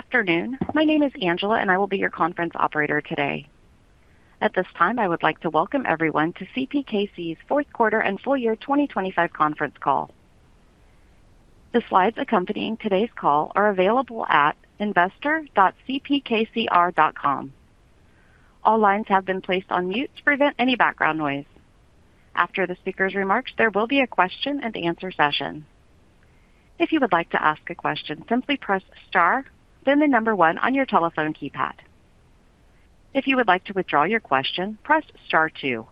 Good afternoon. My name is Angela, and I will be your conference operator today. At this time, I would like to welcome everyone to CPKC's fourth quarter and full year 2025 conference call. The slides accompanying today's call are available at investor.cpkcr.com. All lines have been placed on mute to prevent any background noise. After the speaker's remarks, there will be a question and answer session. If you would like to ask a question, simply press Star, then the number one on your telephone keypad. If you would like to withdraw your question, press Star two.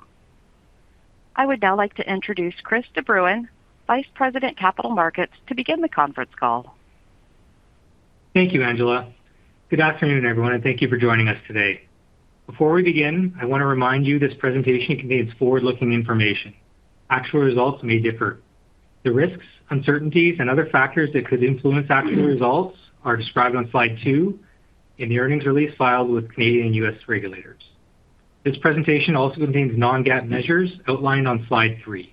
I would now like to introduce Chris de Bruin, Vice President, Capital Markets, to begin the conference call. Thank you, Angela. Good afternoon, everyone, and thank you for joining us today. Before we begin, I want to remind you this presentation contains forward-looking information. Actual results may differ. The risks, uncertainties, and other factors that could influence actual results are described on slide two in the earnings release filed with Canadian and U.S. regulators. This presentation also contains non-GAAP measures outlined on slide three.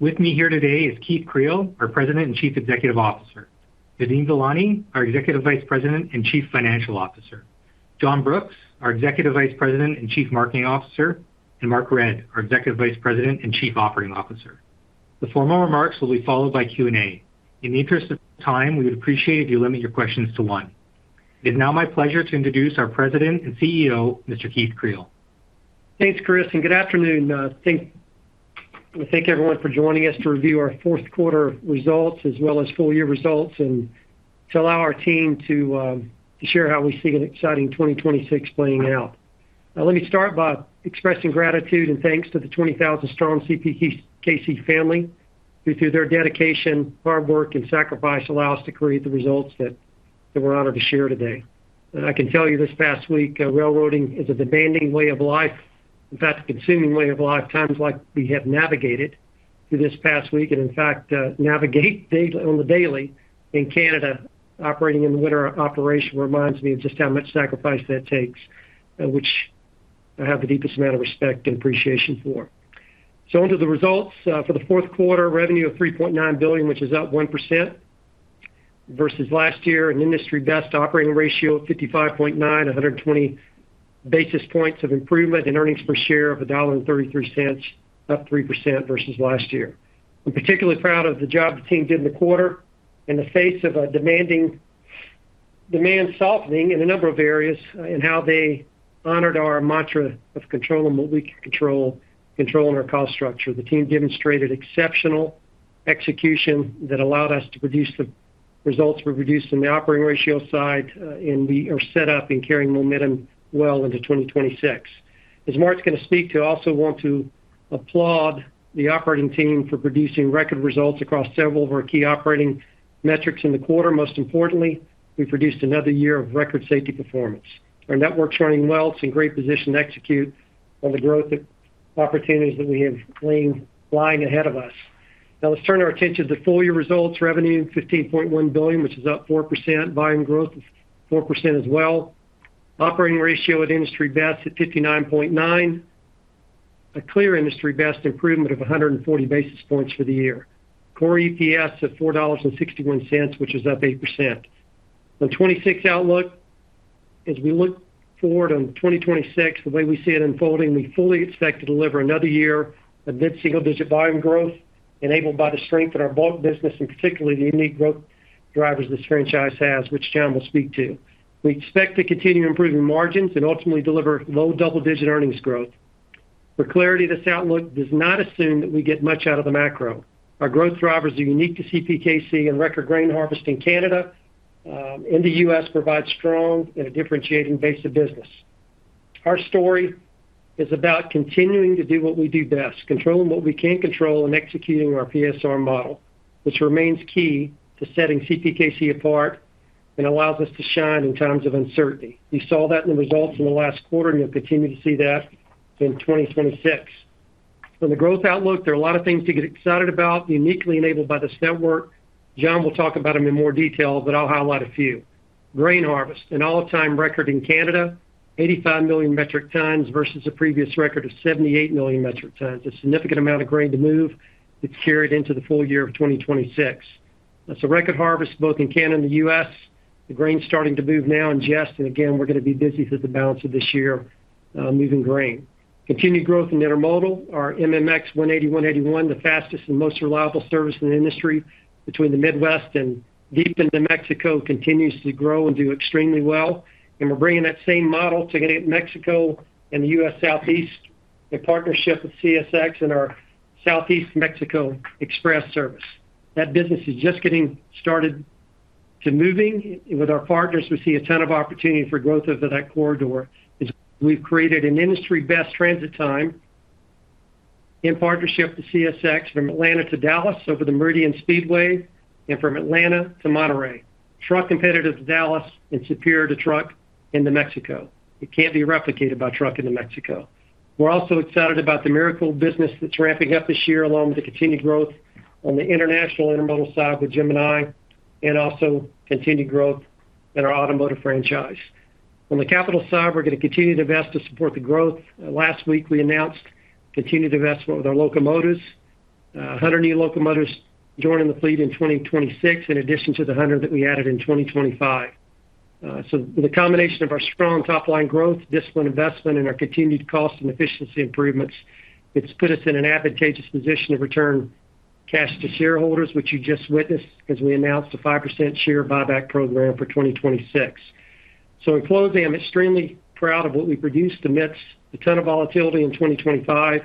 With me here today is Keith Creel, our President and Chief Executive Officer; Nadeem Velani, our Executive Vice President and Chief Financial Officer; John Brooks, our Executive Vice President and Chief Marketing Officer; and Mark Redd, our Executive Vice President and Chief Operating Officer. The formal remarks will be followed by Q&A. In the interest of time, we would appreciate if you limit your questions to one. It's now my pleasure to introduce our President and CEO, Mr. Keith Creel. Thanks, Chris, and good afternoon. We thank everyone for joining us to review our fourth quarter results as well as full year results, and to allow our team to share how we see an exciting 2026 playing out. Now, let me start by expressing gratitude and thanks to the 20,000 strong CPKC family, who, through their dedication, hard work, and sacrifice, allow us to create the results that we're honored to share today. And I can tell you this past week, railroading is a demanding way of life. In fact, a consuming way of life, times like we have navigated through this past week, and in fact, navigate daily, on the daily in Canada. Operating in the winter operation reminds me of just how much sacrifice that takes, which I have the deepest amount of respect and appreciation for. So on to the results. For the fourth quarter, revenue of 3.9 billion, which is up 1% versus last year, an industry best operating ratio of 55.9, 120 basis points of improvement in earnings per share of 1.33 dollar, up 3% versus last year. I'm particularly proud of the job the team did in the quarter in the face of a demanding demand softening in a number of areas, and how they honored our mantra of controlling what we can control, controlling our cost structure. The team demonstrated exceptional execution that allowed us to produce the results we produced in the operating ratio side, and we are set up in carrying momentum well into 2026. As Mark's going to speak to, I also want to applaud the operating team for producing record results across several of our key operating metrics in the quarter. Most importantly, we produced another year of record safety performance. Our network's running well. It's in great position to execute on the growth opportunities that we have lying ahead of us. Now, let's turn our attention to the full year results. Revenue, 15.1 billion, which is up 4%. Volume growth is 4% as well. Operating ratio at industry best at 59.9%. A clear industry best improvement of 140 basis points for the year. Core EPS at 4.61 dollars, which is up 8%. The 2026 outlook, as we look forward on 2026, the way we see it unfolding, we fully expect to deliver another year of mid-single-digit volume growth, enabled by the strength in our bulk business, and particularly the unique growth drivers this franchise has, which John will speak to. We expect to continue improving margins and ultimately deliver low double-digit earnings growth. For clarity, this outlook does not assume that we get much out of the macro. Our growth drivers are unique to CPKC and record grain harvest in Canada, and the U.S. provides strong and a differentiating base of business. Our story is about continuing to do what we do best, controlling what we can control and executing our PSR model, which remains key to setting CPKC apart and allows us to shine in times of uncertainty. We saw that in the results in the last quarter, and you'll continue to see that in 2026. On the growth outlook, there are a lot of things to get excited about, uniquely enabled by this network. John will talk about them in more detail, but I'll highlight a few. Grain harvest, an all-time record in Canada, 85 million metric tons versus a previous record of 78 million metric tons. A significant amount of grain to move that's carried into the full year of 2026. That's a record harvest both in Canada and the U.S. The grain's starting to move now in earnest, and again, we're going to be busy through the balance of this year, moving grain. Continued growth in intermodal, our MMX 180, 181, the fastest and most reliable service in the industry between the Midwest and deep into Mexico, continues to grow and do extremely well, and we're bringing that same model to get Mexico and the U.S. Southeast, the partnership with CSX and our Southeast Mexico Express service. That business is just getting started to moving. With our partners, we see a ton of opportunity for growth over that corridor. We've created an industry-best transit time in partnership with CSX from Atlanta to Dallas over the Meridian Speedway and from Atlanta to Monterrey. Truck-competitive to Dallas and superior to truck in Mexico. It can't be replicated by truck in Mexico. We're also excited about the Americold business that's ramping up this year, along with the continued growth on the international intermodal side with Gemini and also continued growth in our automotive franchise. On the capital side, we're going to continue to invest to support the growth. Last week, we announced continued investment with our locomotives, 100 new locomotives joining the fleet in 2026, in addition to the 100 that we added in 2025. So the combination of our strong top-line growth, disciplined investment, and our continued cost and efficiency improvements, it's put us in an advantageous position to return cash to shareholders, which you just witnessed, as we announced a 5% share buyback program for 2026. So in closing, I'm extremely proud of what we produced amidst a ton of volatility in 2025,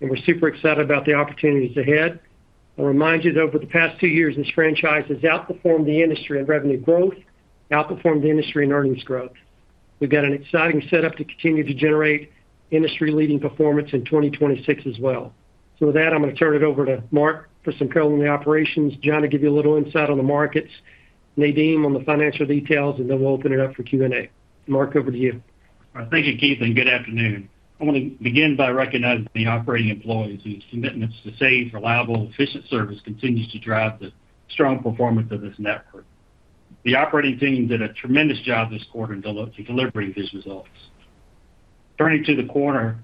and we're super excited about the opportunities ahead. I'll remind you that over the past two years, this franchise has outperformed the industry in revenue growth, outperformed the industry in earnings growth. We've got an exciting setup to continue to generate industry-leading performance in 2026 as well. So with that, I'm going to turn it over to Mark for some color on the operations, John, to give you a little insight on the markets, Nadeem on the financial details, and then we'll open it up for Q&A. Mark, over to you. Thank you, Keith, and good afternoon. I want to begin by recognizing the operating employees, whose commitments to safe, reliable, efficient service continues to drive the strong performance of this network. The operating team did a tremendous job this quarter in delivering these results. Turning to the quarter,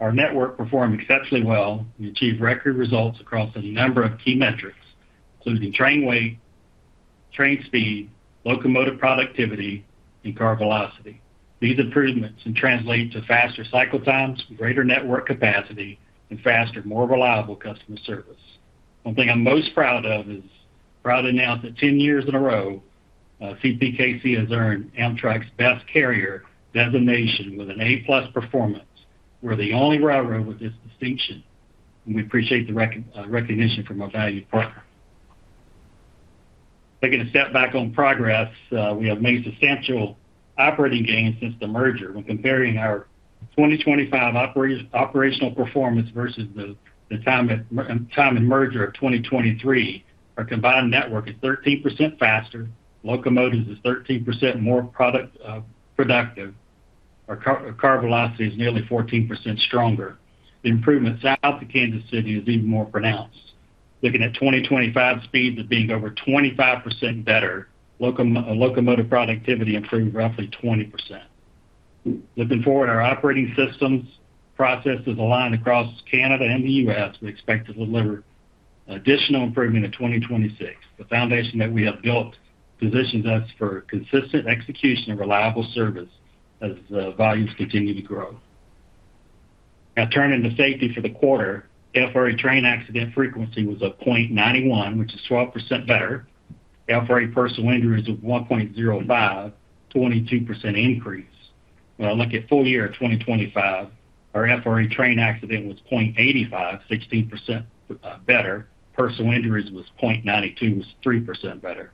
our network performed exceptionally well and achieved record results across a number of key metrics, including train weight, train speed, locomotive productivity, and car velocity. These improvements can translate to faster cycle times, greater network capacity, and faster, more reliable customer service. One thing I'm most proud of is proud to announce that ten years in a row, CPKC has earned Amtrak's Best Carrier designation with an A-plus performance. We're the only railroad with this distinction, and we appreciate the recognition from our valued partner. Taking a step back on progress, we have made substantial operating gains since the merger. When comparing our 2025 operational performance versus the time in merger of 2023, our combined network is 13% faster, locomotives is 13% more productive. Our car velocity is nearly 14% stronger. The improvement south of Kansas City is even more pronounced. Looking at 2025 speeds as being over 25% better, locomotive productivity improved roughly 20%. Looking forward, our operating systems, processes aligned across Canada and the U.S., we expect to deliver additional improvement in 2026. The foundation that we have built positions us for consistent execution and reliable service as volumes continue to grow. Now, turning to safety for the quarter, FRA train accident frequency was 0.91, which is 12% better. FRA personal injuries of 1.05, 22% increase. When I look at full year of 2025, our FRA train accident was 0.85, 16% better. Personal injuries was 0.92, was 3% better.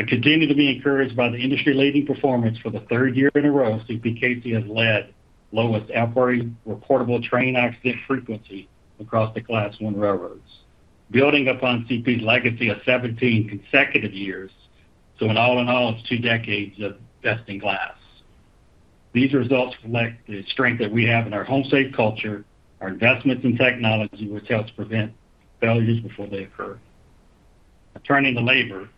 I continue to be encouraged by the industry-leading performance. For the third year in a row, CPKC has led lowest FRA reportable train accident frequency across the Class 1 railroads, building upon CP's legacy of 17 consecutive years. So in all in all, it's two decades of best-in-class. These results reflect the strength that we have in our home safe culture, our investments in technology, which helps prevent failures before they occur. Now, turning to labor,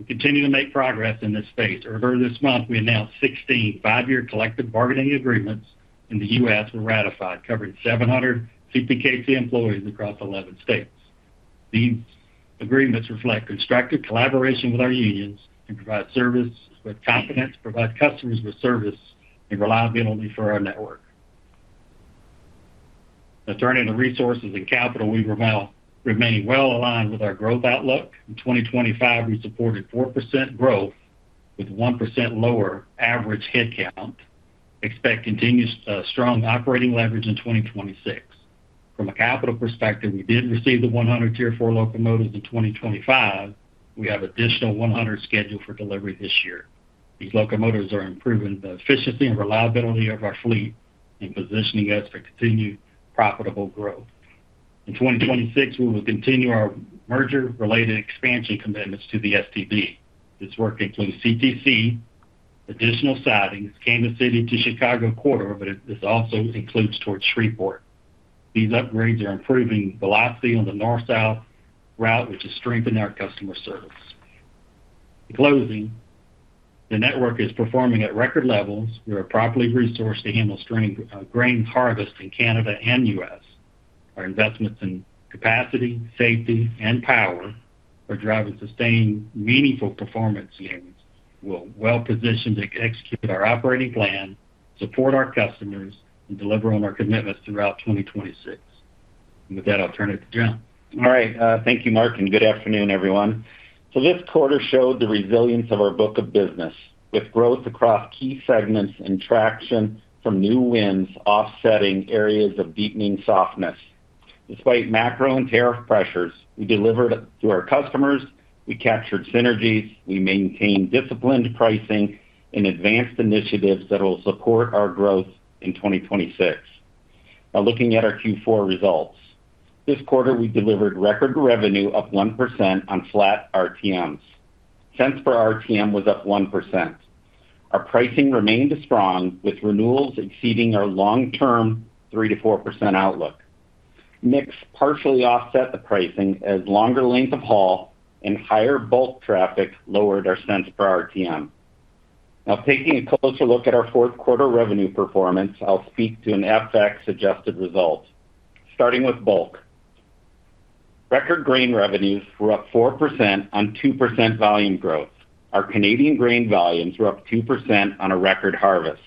we continue to make progress in this space. Earlier this month, we announced 16 five-year collective bargaining agreements in the U.S. were ratified, covering 700 CPKC employees across 11 states. These agreements reflect constructive collaboration with our unions and provide service with confidence, provide customers with service and reliability for our network. Now, turning to resources and capital, we're remaining well aligned with our growth outlook. In 2025, we supported 4% growth with 1% lower average headcount. Expect continuous strong operating leverage in 2026. From a capital perspective, we did receive the 100 Tier 4 locomotives in 2025. We have additional 100 scheduled for delivery this year. These locomotives are improving the efficiency and reliability of our fleet and positioning us for continued profitable growth. In 2026, we will continue our merger-related expansion commitments to the STB. This work includes CTC, additional sidings, Kansas City to Chicago Corridor, but this also includes towards Shreveport. These upgrades are improving velocity on the north-south route, which is strengthening our customer service. In closing, the network is performing at record levels. We are properly resourced to handle strength, grain harvest in Canada and U.S. Our investments in capacity, safety, and power are driving sustained, meaningful performance gains. We're well positioned to execute our operating plan, support our customers, and deliver on our commitments throughout 2026. With that, I'll turn it to John. All right, thank you, Mark, and good afternoon, everyone. So this quarter showed the resilience of our book of business, with growth across key segments and traction from new wins offsetting areas of deepening softness. Despite macro and tariff pressures, we delivered to our customers, we captured synergies, we maintained disciplined pricing and advanced initiatives that will support our growth in 2026. Now, looking at our Q4 results. This quarter, we delivered record revenue up 1% on flat RTMs. Cents per RTM was up 1%. Our pricing remained strong, with renewals exceeding our long-term 3%-4% outlook. Mix partially offset the pricing as longer length of haul and higher bulk traffic lowered our cents per RTM. Now, taking a closer look at our fourth quarter revenue performance, I'll speak to an FX-adjusted result. Starting with bulk. Record grain revenues were up 4% on 2% volume growth. Our Canadian grain volumes were up 2% on a record harvest.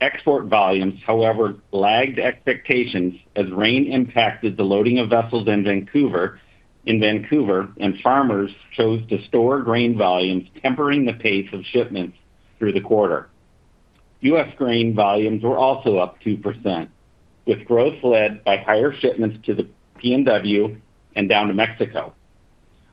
Export volumes, however, lagged expectations as rain impacted the loading of vessels in Vancouver, and farmers chose to store grain volumes, tempering the pace of shipments through the quarter. U.S. grain volumes were also up 2%, with growth led by higher shipments to the PNW and down to Mexico.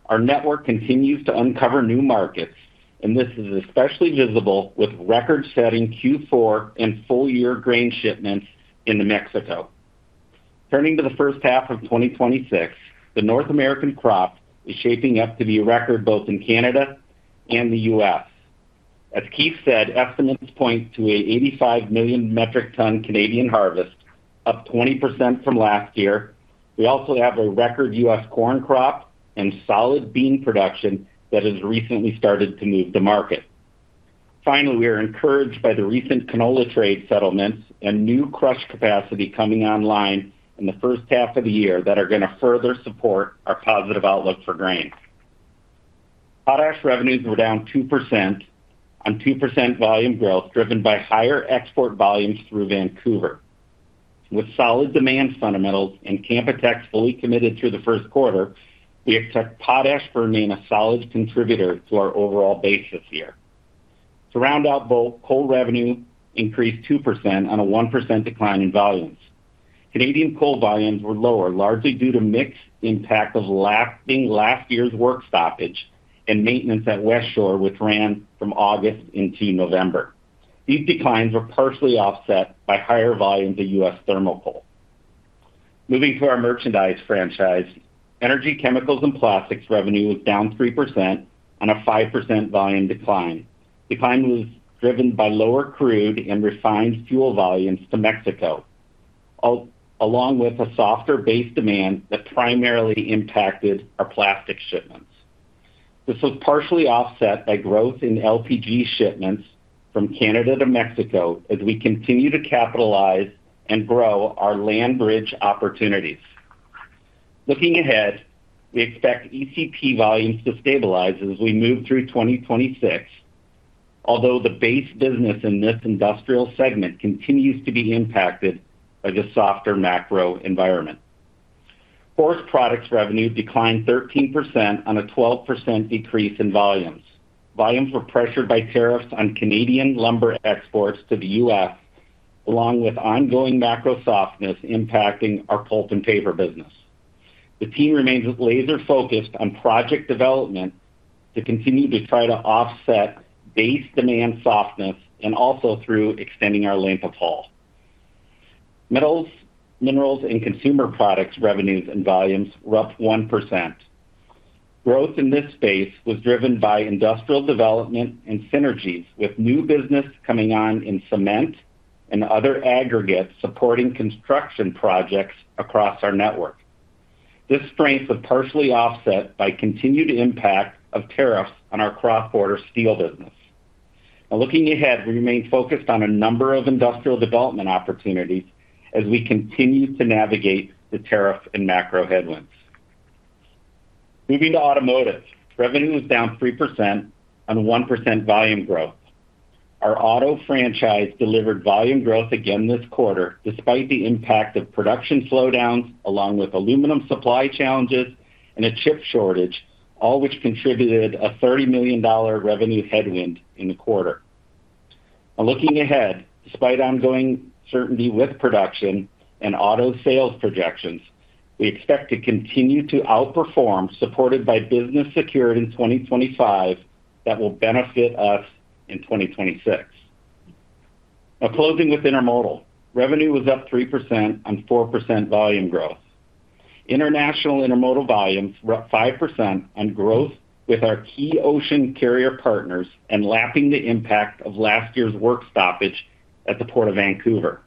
Our network continues to uncover new markets, and this is especially visible with record-setting Q4 and full-year grain shipments into Mexico. Turning to the first half of 2026, the North American crop is shaping up to be a record both in Canada and the U.S. As Keith said, estimates point to an 85 million metric ton Canadian harvest, up 20% from last year. We also have a record U.S. corn crop and solid bean production that has recently started to move the market. Finally, we are encouraged by the recent canola trade settlements and new crush capacity coming online in the first half of the year that are going to further support our positive outlook for grain. Potash revenues were down 2% on 2% volume growth, driven by higher export volumes through Vancouver. With solid demand fundamentals and Canpotex fully committed through the first quarter, we expect potash to remain a solid contributor to our overall base this year. To round out both, coal revenue increased 2% on a 1% decline in volumes. Canadian coal volumes were lower, largely due to mixed impact of lasting last year's work stoppage and maintenance at Westshore, which ran from August into November. These declines were partially offset by higher volumes of U.S. thermal coal. Moving to our merchandise franchise. Energy, chemicals, and plastics revenue was down 3% on a 5% volume decline. Decline was driven by lower crude and refined fuel volumes to Mexico, along with a softer base demand that primarily impacted our plastic shipments. This was partially offset by growth in LPG shipments from Canada to Mexico as we continue to capitalize and grow our land bridge opportunities. Looking ahead, we expect ECP volumes to stabilize as we move through 2026, although the base business in this industrial segment continues to be impacted by the softer macro environment. Forest Products revenue declined 13% on a 12% decrease in volumes. Volumes were pressured by tariffs on Canadian lumber exports to the U.S., along with ongoing macro softness impacting our pulp and paper business. The team remains laser-focused on project development to continue to try to offset base demand softness and also through extending our length of haul. Metals, minerals, and consumer products revenues and volumes were up 1%. Growth in this space was driven by industrial development and synergies, with new business coming on in cement and other aggregates, supporting construction projects across our network. This strength was partially offset by continued impact of tariffs on our cross-border steel business. Now looking ahead, we remain focused on a number of industrial development opportunities as we continue to navigate the tariff and macro headwinds. Moving to automotive. Revenue was down 3% on 1% volume growth. Our auto franchise delivered volume growth again this quarter, despite the impact of production slowdowns, along with aluminum supply challenges and a chip shortage, all which contributed a 30 million dollar revenue headwind in the quarter. Looking ahead, despite ongoing certainty with production and auto sales projections, we expect to continue to outperform, supported by business secured in 2025, that will benefit us in 2026. Now closing with intermodal. Revenue was up 3% on 4% volume growth. International intermodal volumes were up 5% on growth with our key ocean carrier partners and lapping the impact of last year's work stoppage at the Port of Vancouver.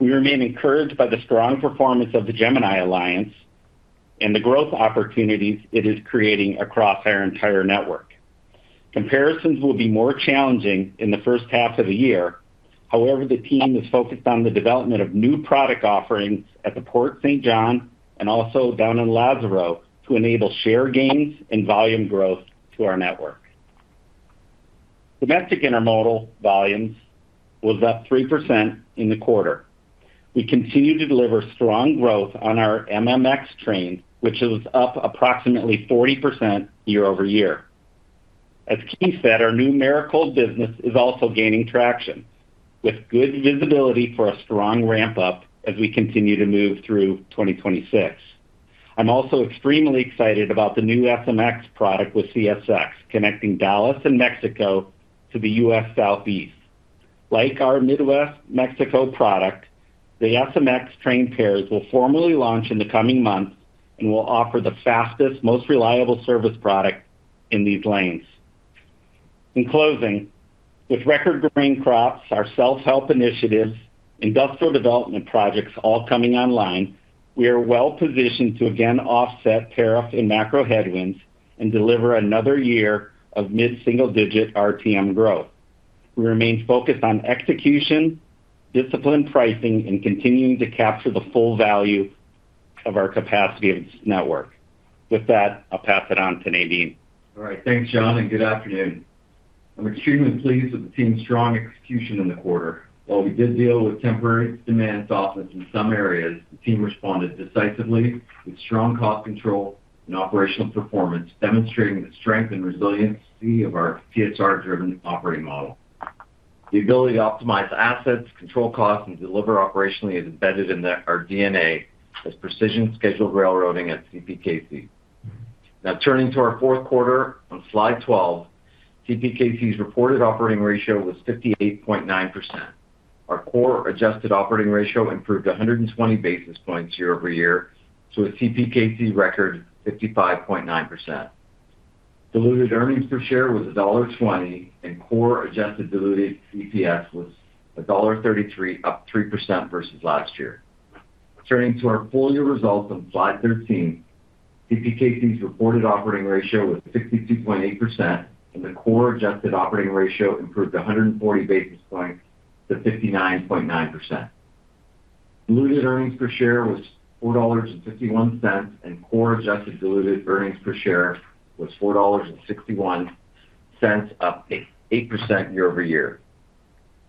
We remain encouraged by the strong performance of the Gemini Alliance and the growth opportunities it is creating across our entire network. Comparisons will be more challenging in the first half of the year. However, the team is focused on the development of new product offerings at the Port Saint John and also down in Lázaro Cárdenas, to enable share gains and volume growth to our network. Domestic intermodal volumes was up 3% in the quarter. We continue to deliver strong growth on our MMX train, which is up approximately 40% year-over-year. As Keith said, our new Americold business is also gaining traction, with good visibility for a strong ramp-up as we continue to move through 2026. I'm also extremely excited about the new SMX product with CSX, connecting Dallas and Mexico to the U.S. Southeast. Like our Midwest Mexico product, the SMX train pairs will formally launch in the coming months and will offer the fastest, most reliable service product in these lanes. In closing, with record grain crops, our self-help initiatives, industrial development projects all coming online,... We are well positioned to again offset tariff and macro headwinds and deliver another year of mid-single-digit RTM growth. We remain focused on execution, disciplined pricing, and continuing to capture the full value of our capacity of network. With that, I'll pass it on to Nadeem. All right. Thanks, John, and good afternoon. I'm extremely pleased with the team's strong execution in the quarter. While we did deal with temporary demand softness in some areas, the team responded decisively with strong cost control and operational performance, demonstrating the strength and resiliency of our PSR-driven operating model. The ability to optimize assets, control costs, and deliver operationally is embedded in our DNA as precision-scheduled railroading at CPKC. Now, turning to our fourth quarter on slide 12, CPKC's reported operating ratio was 58.9%. Our core adjusted operating ratio improved 120 basis points year-over-year, to a CPKC record 55.9%. Diluted earnings per share was dollar 1.20, and core adjusted diluted EPS was dollar 1.33, up 3% versus last year. Turning to our full year results on slide 13, CPKC's reported operating ratio was 62.8%, and the core adjusted operating ratio improved 140 basis points to 59.9%. Diluted earnings per share was 4.51 dollars, and core adjusted diluted earnings per share was 4.61 dollars, up 8.8% year-over-year.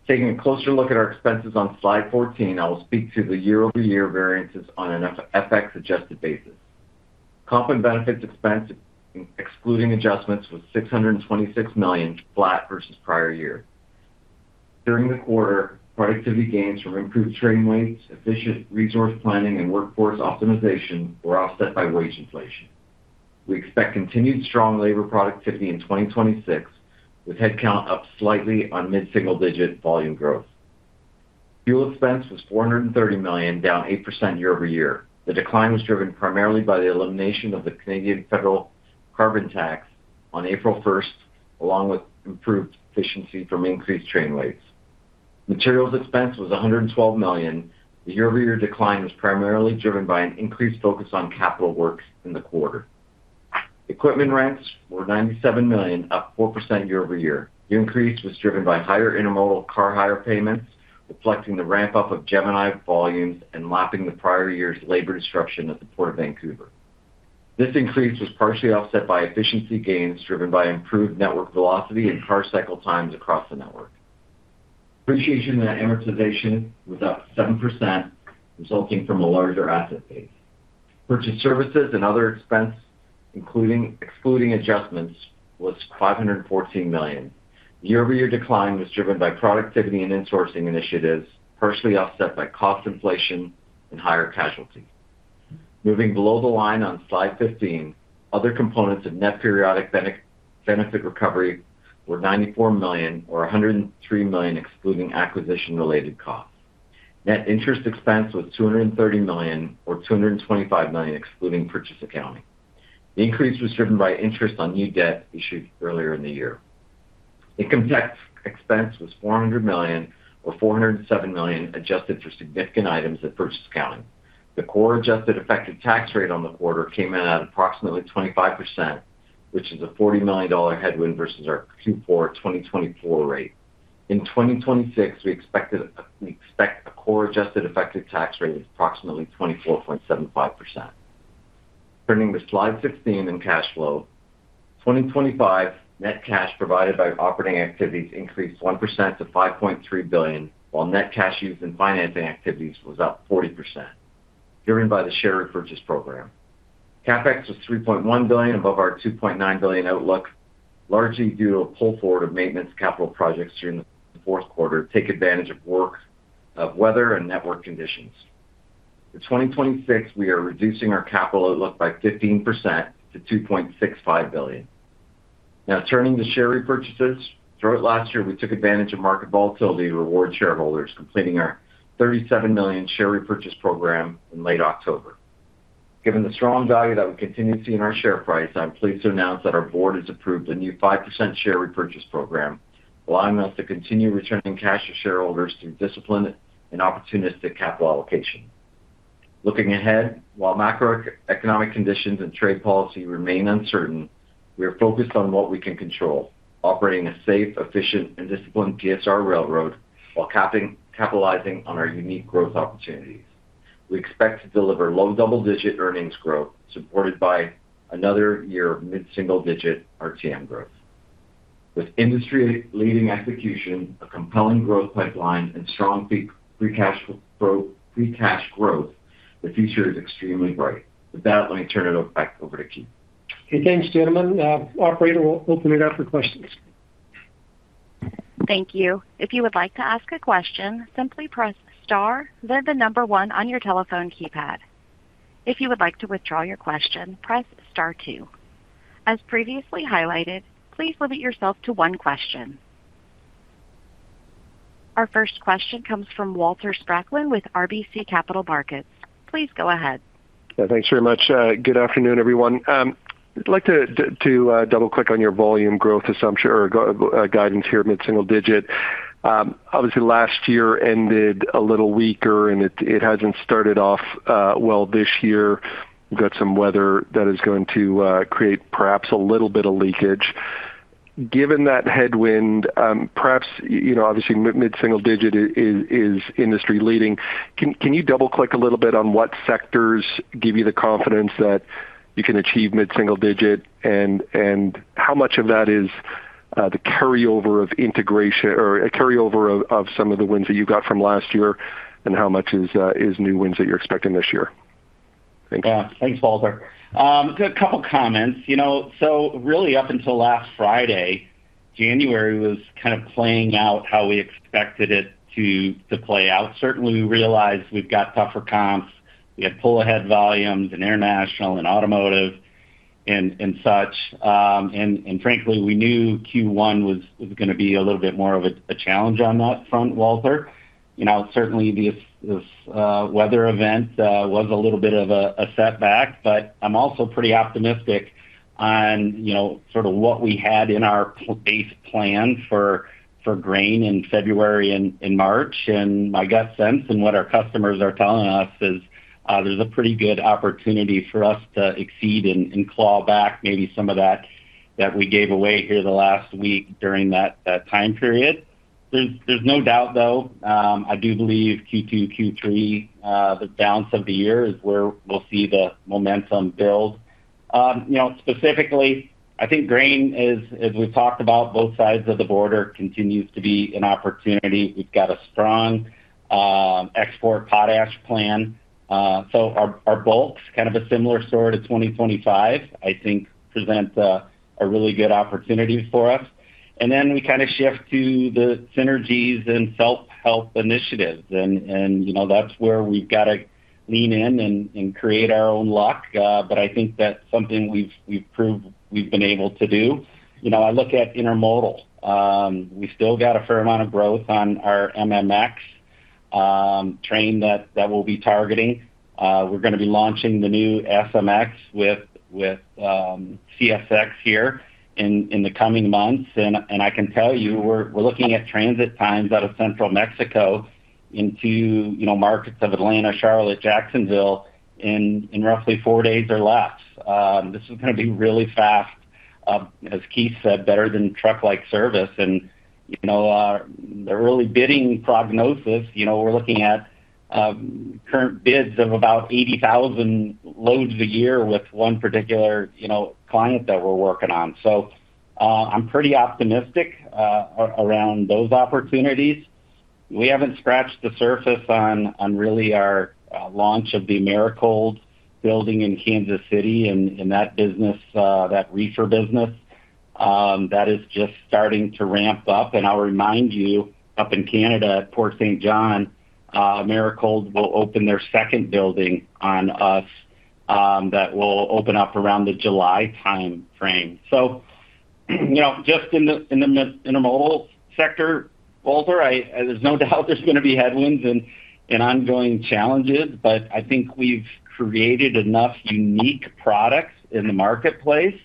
Taking a closer look at our expenses on slide 14, I will speak to the year-over-year variances on an FX-adjusted basis. Comp and benefits expense, excluding adjustments, was 626 million, flat versus prior year. During the quarter, productivity gains from improved train weights, efficient resource planning, and workforce optimization were offset by wage inflation. We expect continued strong labor productivity in 2026, with headcount up slightly on mid-single-digit volume growth. Fuel expense was 430 million, down 8% year-over-year. The decline was driven primarily by the elimination of the Canadian federal carbon tax on April 1, along with improved efficiency from increased train weights. Materials expense was 112 million. The year-over-year decline was primarily driven by an increased focus on capital works in the quarter. Equipment rents were 97 million, up 4% year-over-year. The increase was driven by higher intermodal car hire payments, reflecting the ramp-up of Gemini volumes and lapping the prior year's labor disruption at the Port of Vancouver. This increase was partially offset by efficiency gains, driven by improved network velocity and car cycle times across the network. Depreciation and amortization was up 7%, resulting from a larger asset base. Purchased services and other expense, excluding adjustments, was 514 million. Year-over-year decline was driven by productivity and insourcing initiatives, partially offset by cost inflation and higher casualty. Moving below the line on slide 15, other components of net periodic benefit recovery were CADF94 million or 103 million, excluding acquisition-related costs. Net interest expense was 230 million or 225 million, excluding purchase accounting. The increase was driven by interest on new debt issued earlier in the year. Income tax expense was 400 million or 407 million, adjusted for significant items and purchase accounting. The core adjusted effective tax rate on the quarter came in at approximately 25%, which is a 40 million dollar headwind versus our Q4 2024 rate. In 2026, we expect a core adjusted effective tax rate of approximately 24.75%. Turning to slide 16 in cash flow. 2025 net cash provided by operating activities increased 1% to 5.3 billion, while net cash used in financing activities was up 40%, driven by the share repurchase program. CapEx was 3.1 billion, above our 2.9 billion outlook, largely due to a pull forward of maintenance capital projects during the fourth quarter to take advantage of work, of weather and network conditions. In 2026, we are reducing our capital outlook by 15% to 2.65 billion. Now, turning to share repurchases. Throughout last year, we took advantage of market volatility to reward shareholders, completing our 37 million share repurchase program in late October. Given the strong value that we continue to see in our share price, I'm pleased to announce that our board has approved a new 5% share repurchase program, allowing us to continue returning cash to shareholders through disciplined and opportunistic capital allocation. Looking ahead, while macroeconomic conditions and trade policy remain uncertain, we are focused on what we can control, operating a safe, efficient, and disciplined PSR railroad while capitalizing on our unique growth opportunities. We expect to deliver low double-digit earnings growth, supported by another year of mid-single-digit RTM growth. With industry-leading execution, a compelling growth pipeline, and strong free cash growth, the future is extremely bright. With that, let me turn it back over to Keith. Okay, thanks, gentlemen. Operator, we'll open it up for questions. Thank you. If you would like to ask a question, simply press star, then the number one on your telephone keypad. If you would like to withdraw your question, press star two. As previously highlighted, please limit yourself to one question. Our first question comes from Walter Spracklin with RBC Capital Markets. Please go ahead. Yeah, thanks very much. Good afternoon, everyone. I'd like to double-click on your volume growth assumption or your guidance here, mid-single digit. Obviously, last year ended a little weaker, and it hasn't started off well this year. We've got some weather that is going to create perhaps a little bit of leakage. Given that headwind, perhaps, you know, obviously, mid-single digit is industry leading. Can you double-click a little bit on what sectors give you the confidence that you can achieve mid-single digit? And how much of that is the carryover of integration or a carryover of some of the wins that you got from last year, and how much is new wins that you're expecting this year? Thanks. Yeah. Thanks, Walter. A couple of comments. You know, so really, up until last Friday, January was kind of playing out how we expected it to play out. Certainly, we realized we've got tougher comps. We had pull-ahead volumes in international and automotive and such. And frankly, we knew Q1 was gonna be a little bit more of a challenge on that front, Walter. You know, certainly this weather event was a little bit of a setback, but I'm also pretty optimistic on, you know, sort of what we had in our base plan for grain in February and in March. My gut sense, and what our customers are telling us, is there's a pretty good opportunity for us to exceed and claw back maybe some of that that we gave away here the last week during that time period. There's no doubt, though, I do believe Q2, Q3, the balance of the year is where we'll see the momentum build. You know, specifically, I think grain is, as we've talked about, both sides of the border, continues to be an opportunity. We've got a strong export potash plan. So our bulks, kind of a similar story to 2025, I think present a really good opportunity for us. And then we kind of shift to the synergies and self-help initiatives, and you know, that's where we've got to lean in and create our own luck. But I think that's something we've proved we've been able to do. You know, I look at intermodal. We still got a fair amount of growth on our MMX train that we'll be targeting. We're gonna be launching the new SMX with CSX here in the coming months, and I can tell you, we're looking at transit times out of central Mexico into, you know, markets of Atlanta, Charlotte, Jacksonville, in roughly four days or less. This is gonna be really fast, as Keith said, better than truck-like service. And, you know, the early bidding prognosis, you know, we're looking at current bids of about 80,000 loads a year with one particular, you know, client that we're working on. So, I'm pretty optimistic around those opportunities. We haven't scratched the surface on really our launch of the Americold building in Kansas City and that business, that reefer business. That is just starting to ramp up, and I'll remind you, up in Canada, at Port Saint John, Americold will open their second building on us, that will open up around the July time frame. So, you know, just in the intermodal sector, Walter, there's no doubt there's gonna be headwinds and ongoing challenges, but I think we've created enough unique products in the marketplace,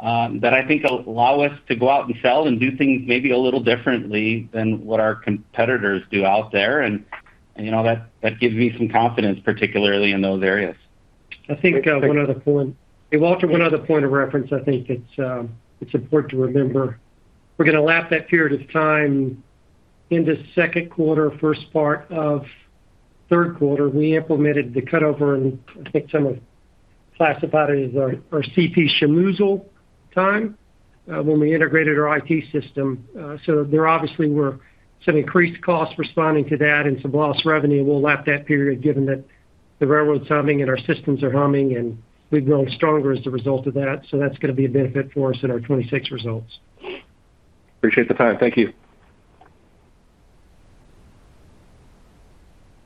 that I think will allow us to go out and sell and do things maybe a little differently than what our competitors do out there. And, you know, that that gives me some confidence, particularly in those areas. I think, one other point. Hey, Walter, one other point of reference I think it's important to remember. We're gonna lap that period of time into second quarter, first part of third quarter. We implemented the cutover, and I think some would classify it as our CP schmozzle time, when we integrated our IT system. So there obviously were some increased costs responding to that and some lost revenue. We'll lap that period, given that the railroad's humming and our systems are humming, and we've grown stronger as a result of that, so that's gonna be a benefit for us in our 2026 results. Appreciate the time. Thank you.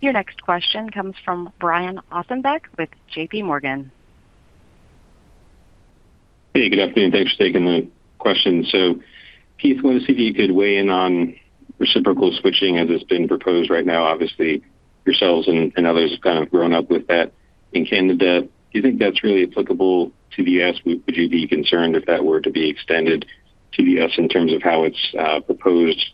Your next question comes from Brian Ossenbeck with JPMorgan. Hey, good afternoon. Thanks for taking the question. So, Keith, I want to see if you could weigh in on reciprocal switching as it's been proposed right now. Obviously, yourselves and others have kind of grown up with that in Canada. Do you think that's really applicable to the U.S.? Would you be concerned if that were to be extended to the U.S. in terms of how it's proposed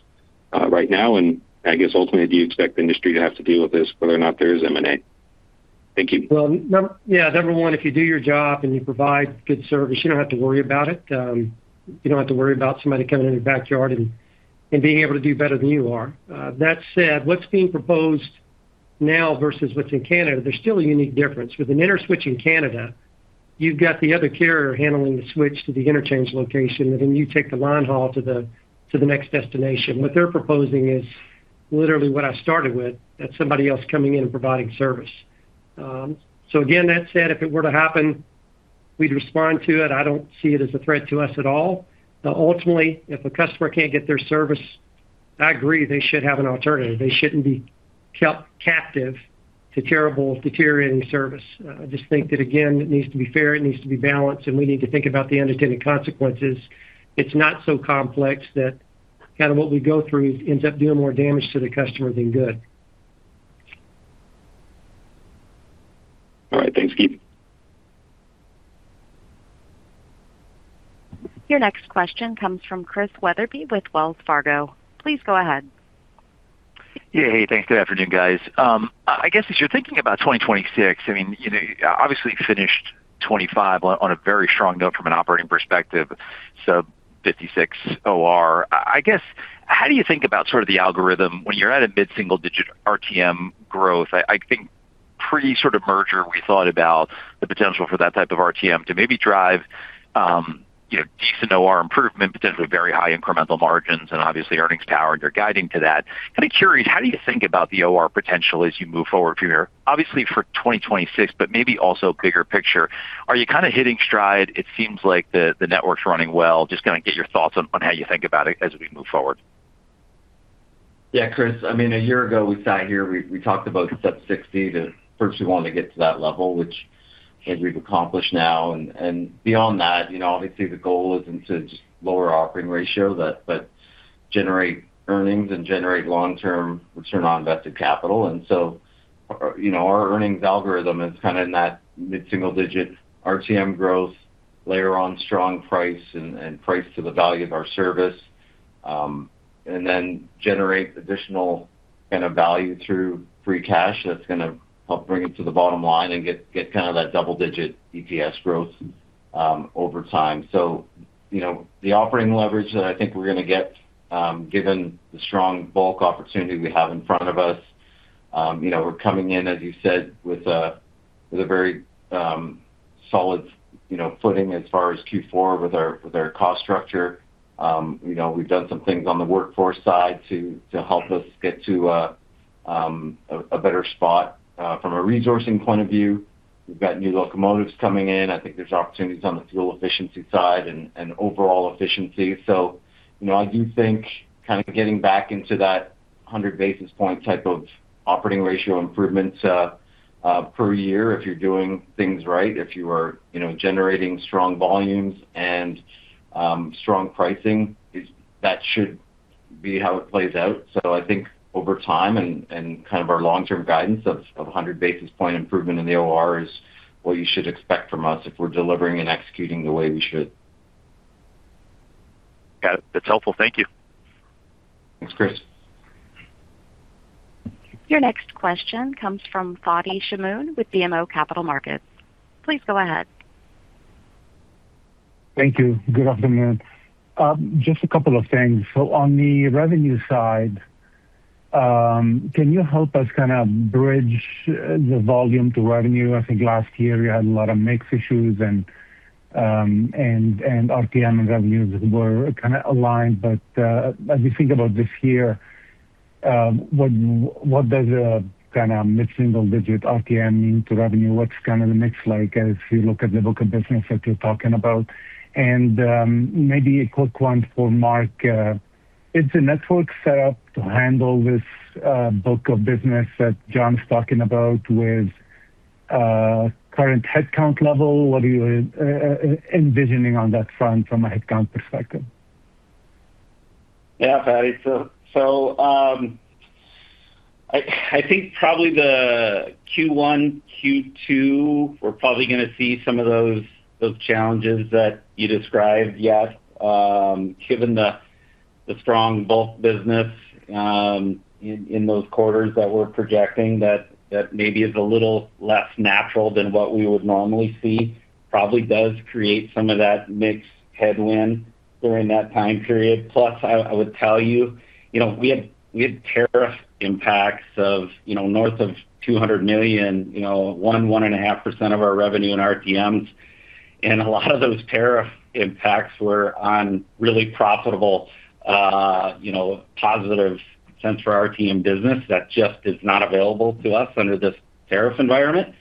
right now? And I guess ultimately, do you expect the industry to have to deal with this, whether or not there is M&A? Thank you. Well, yeah, number one, if you do your job and you provide good service, you don't have to worry about it. You don't have to worry about somebody coming in your backyard and being able to do better than you are. That said, what's being proposed now versus what's in Canada, there's still a unique difference. With an interswitch in Canada, you've got the other carrier handling the switch to the interchange location, and then you take the line haul to the next destination. What they're proposing is literally what I started with, that somebody else coming in and providing service. So again, that said, if it were to happen, we'd respond to it. I don't see it as a threat to us at all. Ultimately, if a customer can't get their service, I agree, they should have an alternative. They shouldn't be kept captive to terrible, deteriorating service. I just think that, again, it needs to be fair, it needs to be balanced, and we need to think about the unintended consequences. It's not so complex that kind of what we go through ends up doing more damage to the customer than good. All right, thanks, Keith. Your next question comes from Chris Wetherbee with Wells Fargo. Please go ahead. Yeah, hey, thanks. Good afternoon, guys. I guess as you're thinking about 2026, I mean, you know, obviously, you finished 2025 on a very strong note from an operating perspective, so 56 OR. I guess, how do you think about sort of the algorithm when you're at a mid-single-digit RTM growth? I think pre sort of merger, we thought about the potential for that type of RTM to maybe drive, you know, decent OR improvement, potentially very high incremental margins and obviously earnings power, and you're guiding to that. Kind of curious, how do you think about the OR potential as you move forward from here? Obviously, for 2026, but maybe also bigger picture. Are you kind of hitting stride? It seems like the network's running well. Just kind of get your thoughts on, on how you think about it as we move forward. Yeah, Chris, I mean, a year ago, we sat here, we talked about sub-60, to first we want to get to that level, which as we've accomplished now, and beyond that, you know, obviously the goal is to just lower operating ratio that - but generate earnings and generate long-term return on invested capital. And so, you know, our earnings algorithm is kind of in that mid-single-digit RTM growth, layer on strong price and price to the value of our service, and then generate additional kind of value through free cash. That's going to help bring it to the bottom line and get kind of that double-digit EPS growth, over time. So, you know, the operating leverage that I think we're going to get, given the strong bulk opportunity we have in front of us, you know, we're coming in, as you said, with a very solid, you know, footing as far as Q4 with our cost structure. You know, we've done some things on the workforce side to help us get to a better spot from a resourcing point of view. We've got new locomotives coming in. I think there's opportunities on the fuel efficiency side and overall efficiency. So, you know, I do think kind of getting back into that 100 basis point type of operating ratio improvements per year, if you're doing things right, if you are, you know, generating strong volumes and strong pricing, is that should be how it plays out. So I think over time and kind of our long-term guidance of one hundred basis point improvement in the OR is what you should expect from us if we're delivering and executing the way we should. Got it. That's helpful. Thank you. Thanks, Chris. Your next question comes from Fadi Chamoun with BMO Capital Markets. Please go ahead. Thank you. Good afternoon. Just a couple of things. So on the revenue side, can you help us kind of bridge the volume to revenue? I think last year we had a lot of mix issues and RTM and revenues were kind of aligned. But as we think about this year, what does a kind of mid-single-digit RTM mean to revenue? What's kind of the mix like as we look at the book of business that you're talking about? And maybe a quick one for Mark. Is the network set up to handle this book of business that John's talking about with current headcount level? What are you envisioning on that front from a headcount perspective? Yeah, Fadi. So, I think probably the Q1, Q2, we're probably going to see some of those challenges that you described. Yes, given the strong bulk business in those quarters that we're projecting, that maybe is a little less natural than what we would normally see, probably does create some of that mix headwind during that time period. Plus, I would tell you, you know, we had tariff impacts of, you know, north ofCAD 200 million, you know, 1.5% of our revenue in RTMs, and a lot of those tariff impacts were on really profitable, you know, positive cents for RTM business that just is not available to us under this tariff environment.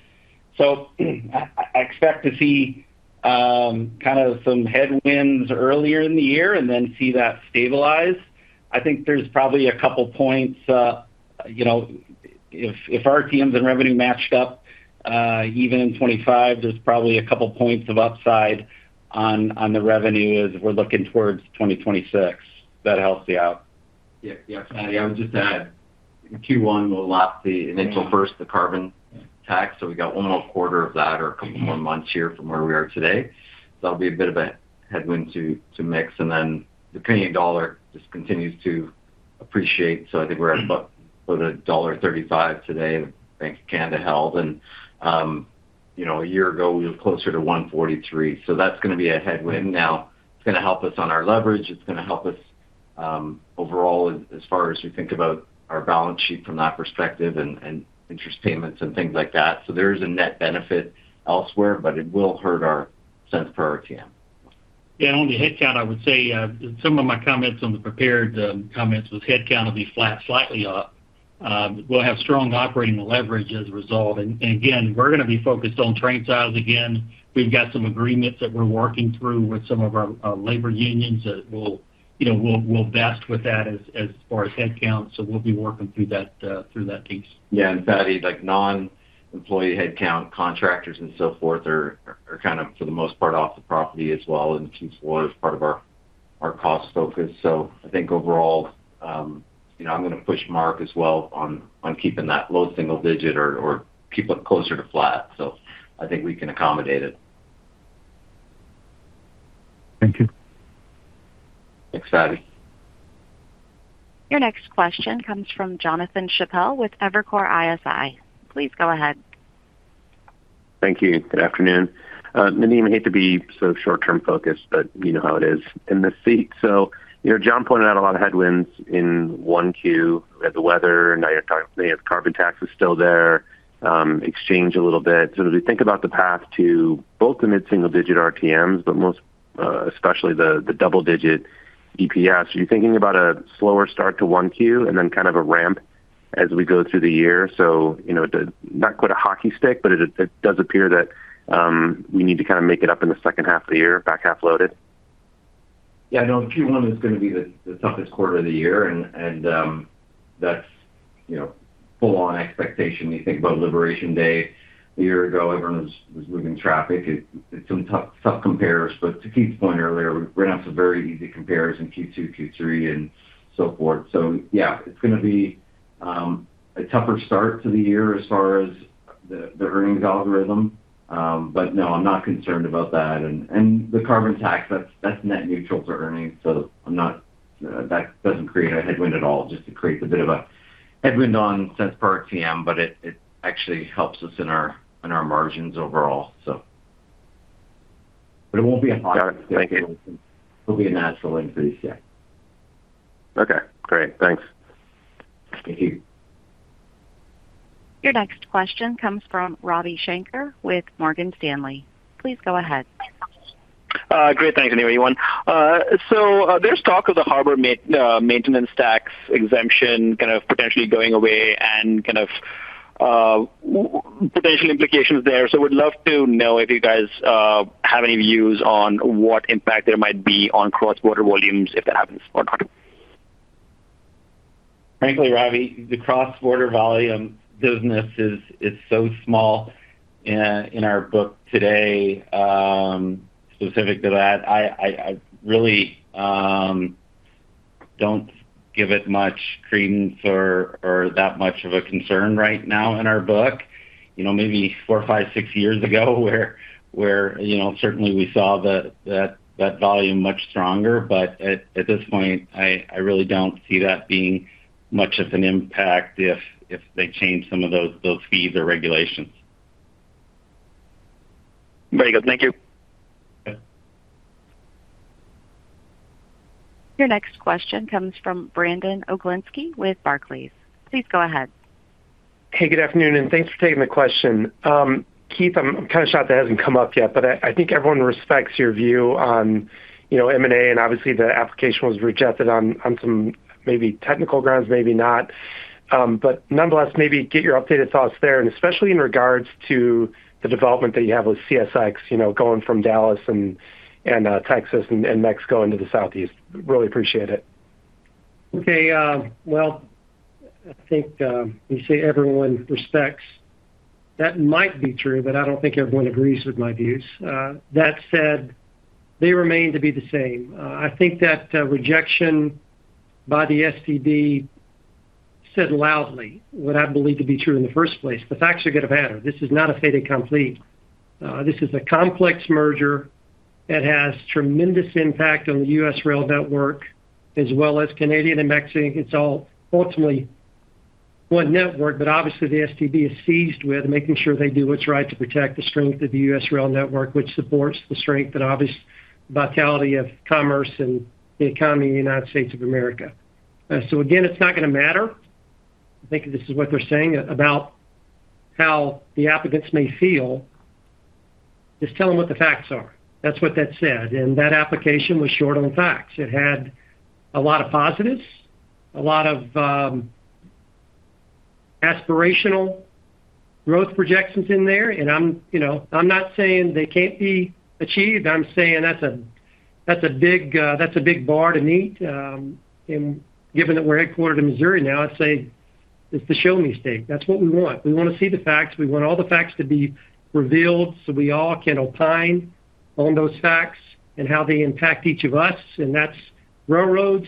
So I expect to see kind of some headwinds earlier in the year and then see that stabilize. I think there's probably a couple points, you know, if RTMs and revenue matched up, even in 2025, there's probably a couple points of upside on the revenue as we're looking towards 2026. That helps you out? Yeah. Yeah, Fadi, I would just add, Q1 will lap the April 1, the carbon tax, so we got one more quarter of that or a couple more months here from where we are today. So that'll be a bit of a headwind to mix. And then the Canadian dollar just continues to appreciate, so I think we're at about dollar 1.35 today, Bank of Canada held, and you know, a year ago we were closer to 1.43. So that's going to be a headwind. Now, it's going to help us on our leverage. It's going to help us overall, as far as we think about our balance sheet from that perspective and interest payments and things like that. So there is a net benefit elsewhere, but it will hurt our cents per RTM. Yeah, on the headcount, I would say some of my comments on the prepared comments with headcount will be flat, slightly up. We'll have strong operating leverage as a result. And again, we're going to be focused on train size again. We've got some agreements that we're working through with some of our labor unions that will, you know, will vest with that as far as headcount. So we'll be working through that through that piece. Yeah, and Fadi, like, non-employee headcount, contractors and so forth, are kind of, for the most part, off the property as well, and Q4 is part of our cost focus. So I think overall, you know, I'm gonna push Mark as well on keeping that low single digit or keep it closer to flat. So I think we can accommodate it. Thank you. Thanks, Fadi. Your next question comes from Jonathan Chappell with Evercore ISI. Please go ahead. Thank you. Good afternoon. Nadeem, I hate to be so short-term focused, but you know how it is in this seat. So, you know, John pointed out a lot of headwinds in 1Q. We had the weather, now you're talking, the carbon tax is still there, exchange a little bit. So as we think about the path to both the mid-single digit RTMs, but most, especially the double-digit EPS, are you thinking about a slower start to 1Q and then kind of a ramp as we go through the year? So, you know, the, not quite a hockey stick, but it does appear that we need to kind of make it up in the second half of the year, back half loaded. Yeah, no, Q1 is gonna be the toughest quarter of the year, and that's, you know, full on expectation. When you think about Liberation Day a year ago, everyone was moving traffic. It's some tough compares. But to Keith's point earlier, we're gonna have some very easy compares in Q2, Q3, and so forth. So yeah, it's gonna be a tougher start to the year as far as the earnings algorithm. But no, I'm not concerned about that. And the carbon tax, that's net neutral to earnings, so I'm not—that doesn't create a headwind at all, just it creates a bit of a headwind on cents per RTM, but it actually helps us in our margins overall, so. But it won't be a hockey stick. Got it. Thank you. It'll be a natural increase, yeah. Okay, great. Thanks. Thank you. Your next question comes from Ravi Shanker with Morgan Stanley. Please go ahead. Great, thanks, Nader. So, there's talk of the harbor maintenance tax exemption kind of potentially going away and kind of potential implications there. So would love to know if you guys have any views on what impact there might be on cross-border volumes if that happens or not? Frankly, Ravi, the cross-border volume business is so small in our book today, specific to that, I really don't give it much credence or that much of a concern right now in our book. You know, maybe 4, 5, 6 years ago, where you know, certainly we saw that volume much stronger, but at this point, I really don't see that being much of an impact if they change some of those fees or regulations. Very good. Thank you. Yeah. Your next question comes from Brandon Oglenski with Barclays. Please go ahead. Hey, good afternoon, and thanks for taking the question. Keith, I'm kind of shocked that hasn't come up yet, but I think everyone respects your view on, you know, M&A, and obviously, the application was rejected on some maybe technical grounds, maybe not. But nonetheless, maybe get your updated thoughts there, and especially in regards to the development that you have with CSX, you know, going from Dallas and Texas and Mexico into the Southeast. Really appreciate it. Okay, well, I think, you say everyone respects. That might be true, but I don't think everyone agrees with my views. That said, they remain to be the same. I think that, rejection by the STB said loudly what I believed to be true in the first place. The facts are gonna matter. This is not a fait accompli. This is a complex merger that has tremendous impact on the U.S. rail network as well as Canadian and Mexican. It's all ultimately one network, but obviously, the STB is seized with making sure they do what's right to protect the strength of the U.S. rail network, which supports the strength and obvious vitality of commerce and the economy in the United States of America. So again, it's not gonna matter. I think this is what they're saying about how the applicants may feel. Just tell them what the facts are. That's what that said, and that application was short on facts. It had a lot of positives, a lot of aspirational growth projections in there, and I'm, you know, I'm not saying they can't be achieved. I'm saying that's a, that's a big, that's a big bar to meet, and given that we're headquartered in Missouri now, I'd say it's the Show Me State. That's what we want. We wanna see the facts. We want all the facts to be revealed so we all can opine on those facts and how they impact each of us, and that's railroads,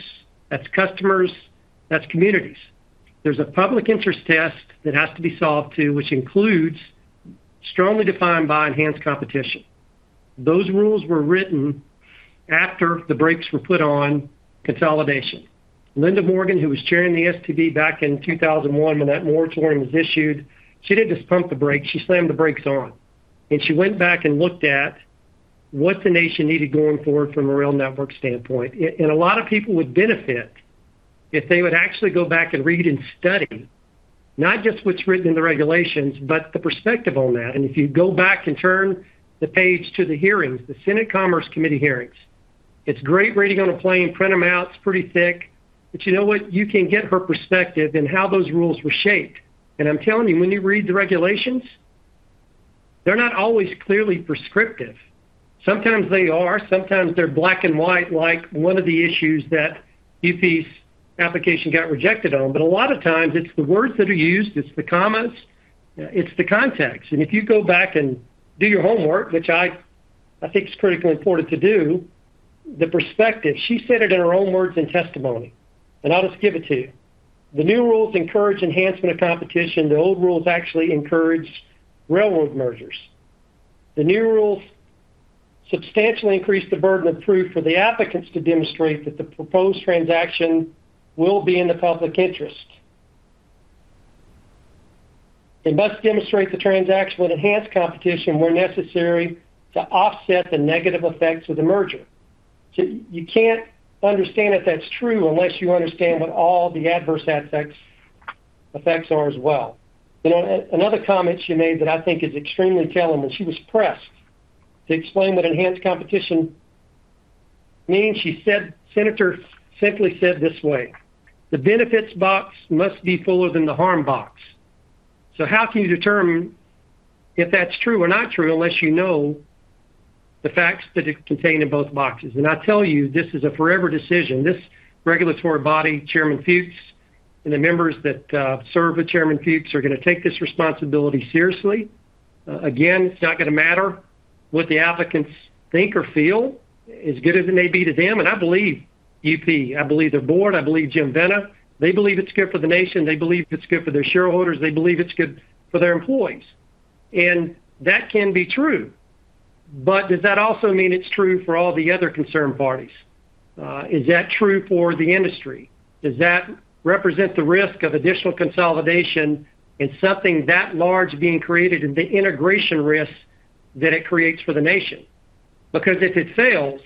that's customers, that's communities. There's a public interest test that has to be solved, too, which includes strongly defined by enhanced competition. Those rules were written after the brakes were put on consolidation. Linda Morgan, who was chairing the STB back in 2001, when that moratorium was issued, she didn't just pump the brakes, she slammed the brakes on. She went back and looked at what the nation needed going forward from a rail network standpoint. A lot of people would benefit if they would actually go back and read and study, not just what's written in the regulations, but the perspective on that. If you go back and turn the page to the hearings, the Senate Commerce Committee hearings, it's great reading on a plane, print them out, it's pretty thick. But you know what? You can get her perspective and how those rules were shaped. I'm telling you, when you read the regulations, they're not always clearly prescriptive. Sometimes they are, sometimes they're black and white, like one of the issues that UP's application got rejected on. But a lot of times, it's the words that are used, it's the commas. It's the context. And if you go back and do your homework, which I, I think is critically important to do, the perspective, she said it in her own words and testimony, and I'll just give it to you. "The new rules encourage enhancement of competition. The old rules actually encourage railroad mergers. The new rules substantially increase the burden of proof for the applicants to demonstrate that the proposed transaction will be in the public interest. They must demonstrate the transaction will enhance competition where necessary to offset the negative effects of the merger." So you can't understand if that's true unless you understand what all the adverse effects, effects are as well. You know, another comment she made that I think is extremely telling, when she was pressed to explain what enhanced competition means, she said, Senator simply said it this way: "The benefits box must be fuller than the harm box." So how can you determine if that's true or not true, unless you know the facts that are contained in both boxes? And I tell you, this is a forever decision. This regulatory body, Chairman Fuchs, and the members that serve with Chairman Fuchs, are going to take this responsibility seriously. Again, it's not going to matter what the applicants think or feel, as good as it may be to them. And I believe UP, I believe their board, I believe Jim Vena, they believe it's good for the nation, they believe it's good for their shareholders, they believe it's good for their employees. That can be true, but does that also mean it's true for all the other concerned parties? Is that true for the industry? Does that represent the risk of additional consolidation and something that large being created and the integration risk that it creates for the nation? Because if it fails,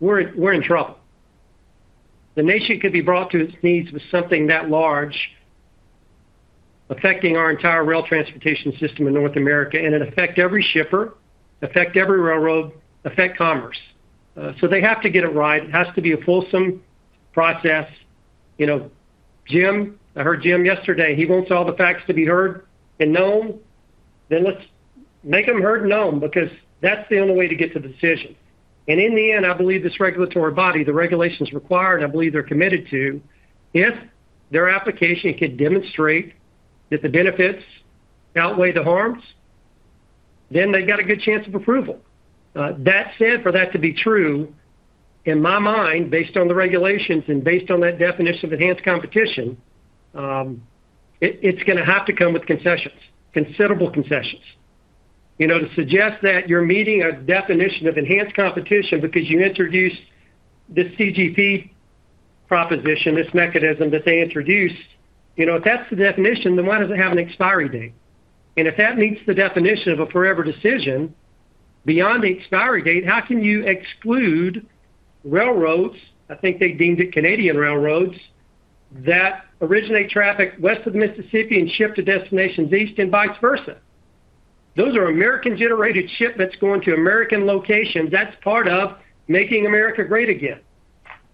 we're in trouble. The nation could be brought to its knees with something that large affecting our entire rail transportation system in North America, and it affect every shipper, affect every railroad, affect commerce. So they have to get it right. It has to be a fulsome process. You know, Jim, I heard Jim yesterday, he wants all the facts to be heard and known. Then let's make them heard and known, because that's the only way to get to the decision. In the end, I believe this regulatory body, the regulations required, and I believe they're committed to, if their application can demonstrate that the benefits outweigh the harms, then they've got a good chance of approval. That said, for that to be true, in my mind, based on the regulations and based on that definition of enhanced competition, it, it's going to have to come with concessions, considerable concessions. You know, to suggest that you're meeting a definition of enhanced competition because you introduced this CGP proposition, this mechanism that they introduced, you know, if that's the definition, then why does it have an expiry date? And if that meets the definition of a forever decision, beyond the expiry date, how can you exclude railroads, I think they deemed it Canadian railroads, that originate traffic west of the Mississippi and ship to destinations east and vice versa? Those are American-generated shipments going to American locations. That's part of making America great again.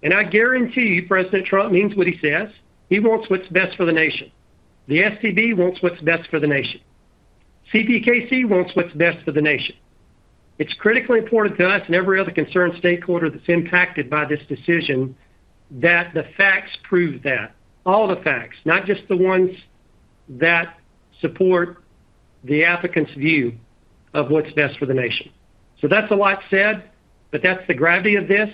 And I guarantee President Trump means what he says. He wants what's best for the nation. The STB wants what's best for the nation. CPKC wants what's best for the nation. It's critically important to us and every other concerned stakeholder that's impacted by this decision, that the facts prove that. All the facts, not just the ones that support the applicant's view of what's best for the nation. So that's a lot said, but that's the gravity of this.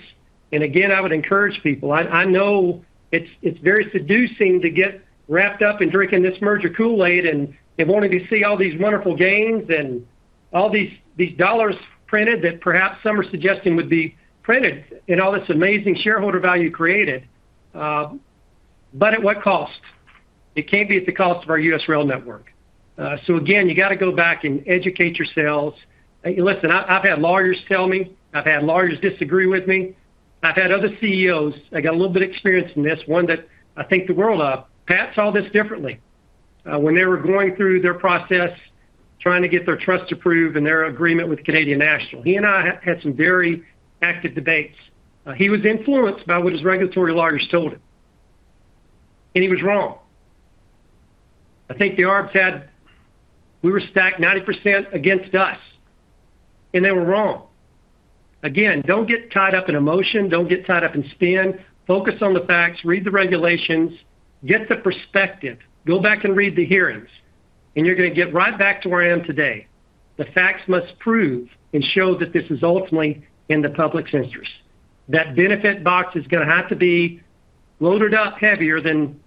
And again, I would encourage people... I know it's very seducing to get wrapped up in drinking this merger Kool-Aid, and if only to see all these wonderful gains and all these, these dollars printed that perhaps some are suggesting would be printed, and all this amazing shareholder value created, but at what cost? It can't be at the cost of our U.S. rail network. So again, you got to go back and educate yourselves. Listen, I've had lawyers tell me, I've had lawyers disagree with me, I've had other CEOs, I got a little bit of experience in this, one that I think the world of. Pat saw this differently, when they were going through their process, trying to get their trust approved and their agreement with Canadian National. He and I had some very active debates. He was influenced by what his regulatory lawyers told him, and he was wrong. I think the odds were stacked 90% against us, and they were wrong. Again, don't get tied up in emotion, don't get tied up in spin. Focus on the facts, read the regulations, get the perspective, go back and read the hearings, and you're going to get right back to where I am today. The facts must prove and show that this is ultimately in the public's interest. That benefit box is going to have to be loaded up heavier than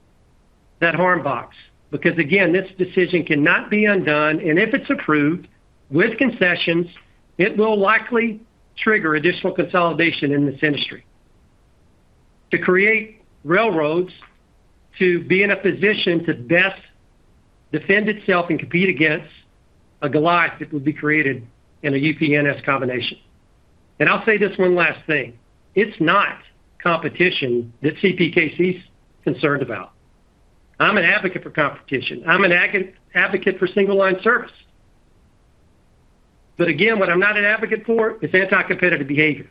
that harm box. Because, again, this decision cannot be undone, and if it's approved, with concessions, it will likely trigger additional consolidation in this industry. To create railroads, to be in a position to best defend itself and compete against a Goliath that would be created in a UP-NS combination. And I'll say this one last thing: It's not competition that CPKC is concerned about. I'm an advocate for competition. I'm an advocate for single line service. But again, what I'm not an advocate for is anti-competitive behavior.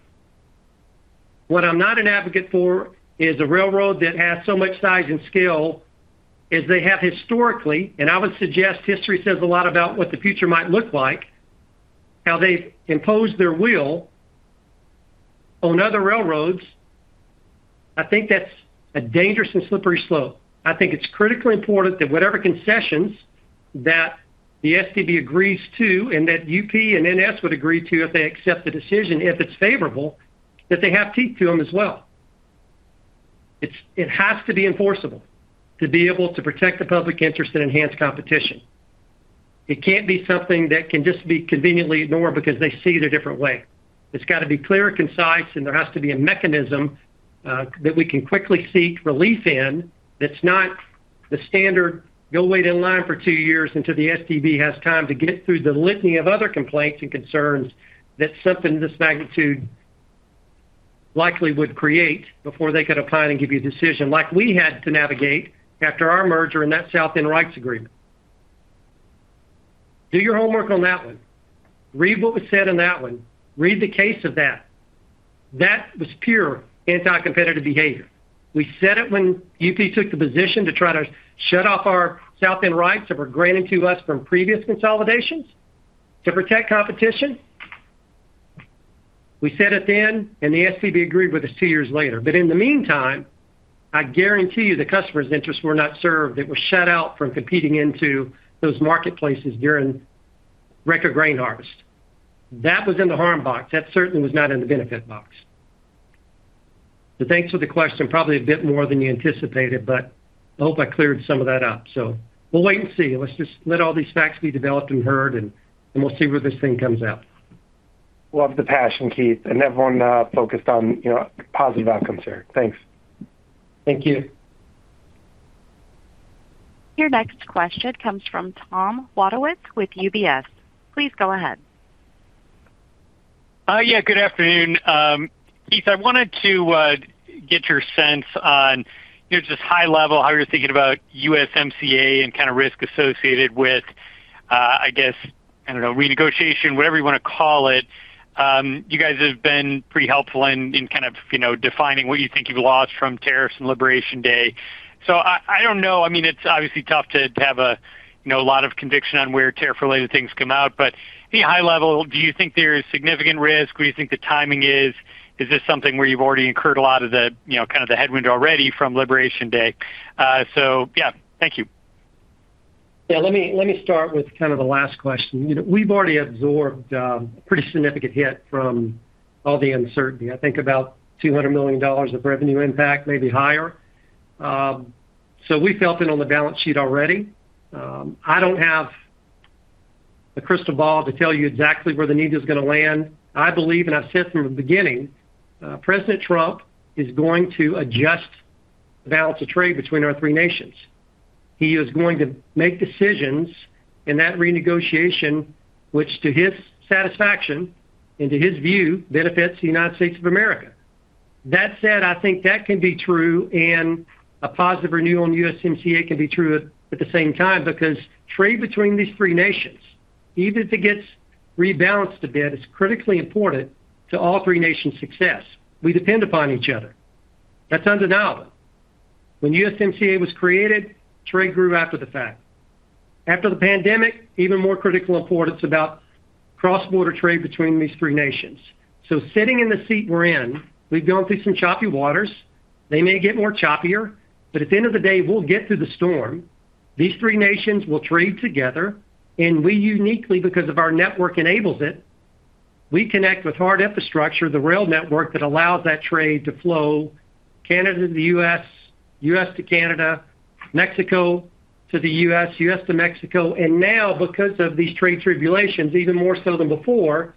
What I'm not an advocate for is a railroad that has so much size and scale, as they have historically, and I would suggest history says a lot about what the future might look like, how they've imposed their will on other railroads. I think that's a dangerous and slippery slope. I think it's critically important that whatever concessions that the STB agrees to, and that UP and NS would agree to if they accept the decision, if it's favorable, that they have teeth to them as well. It has to be enforceable to be able to protect the public interest and enhance competition. It can't be something that can just be conveniently ignored because they see it a different way. It's got to be clear, concise, and there has to be a mechanism that we can quickly seek relief in that's not the standard, "Go wait in line for two years until the STB has time to get through the litany of other complaints and concerns," that something of this magnitude likely would create before they could apply and give you a decision like we had to navigate after our merger and that South End Rights Agreement. Do your homework on that one. Read what was said on that one. Read the case of that. That was pure anti-competitive behavior. We said it when UP took the position to try to shut off our South End rights that were granted to us from previous consolidations to protect competition. We said it then, and the STB agreed with us two years later. But in the meantime, I guarantee you, the customers' interests were not served. They were shut out from competing into those marketplaces during record grain harvest. That was in the harm box. That certainly was not in the benefit box. So thanks for the question. Probably a bit more than you anticipated, but I hope I cleared some of that up. So we'll wait and see. Let's just let all these facts be developed and heard, and, and we'll see where this thing comes out. Love the passion, Keith, and everyone, focused on, you know, positive outcomes here. Thanks. Thank you. Your next question comes from Tom Wadowitz with UBS. Please go ahead. Yeah, good afternoon. Keith, I wanted to get your sense on, you know, just high level, how you're thinking about USMCA and kind of risk associated with, I guess, I don't know, renegotiation, whatever you want to call it. You guys have been pretty helpful in kind of, you know, defining what you think you've lost from tariffs and Liberation Day. So I don't know. I mean, it's obviously tough to have a, you know, a lot of conviction on where tariff-related things come out. But any high level, do you think there is significant risk? What do you think the timing is? Is this something where you've already incurred a lot of the, you know, kind of the headwind already from Liberation Day? So, yeah. Thank you. Yeah, let me, let me start with kind of the last question. You know, we've already absorbed a pretty significant hit from all the uncertainty. I think about 200 million dollars of revenue impact, maybe higher. So we felt it on the balance sheet already. I don't have a crystal ball to tell you exactly where the needle is going to land. I believe, and I've said from the beginning, President Trump is going to adjust the balance of trade between our three nations. He is going to make decisions in that renegotiation, which, to his satisfaction and to his view, benefits the United States of America. That said, I think that can be true and a positive renewal on USMCA can be true at, at the same time, because trade between these three nations, even if it gets rebalanced a bit, is critically important to all three nations' success. We depend upon each other. That's undeniable. When USMCA was created, trade grew after the fact. After the pandemic, even more critical importance about cross-border trade between these three nations. So sitting in the seat we're in, we've gone through some choppy waters. They may get more choppier, but at the end of the day, we'll get through the storm. These three nations will trade together, and we uniquely, because of our network, enables it. We connect with hard infrastructure, the rail network that allows that trade to flow, Canada to the U.S., U.S. to Canada, Mexico to the U.S., U.S. to Mexico, and now, because of these trade tribulations, even more so than before,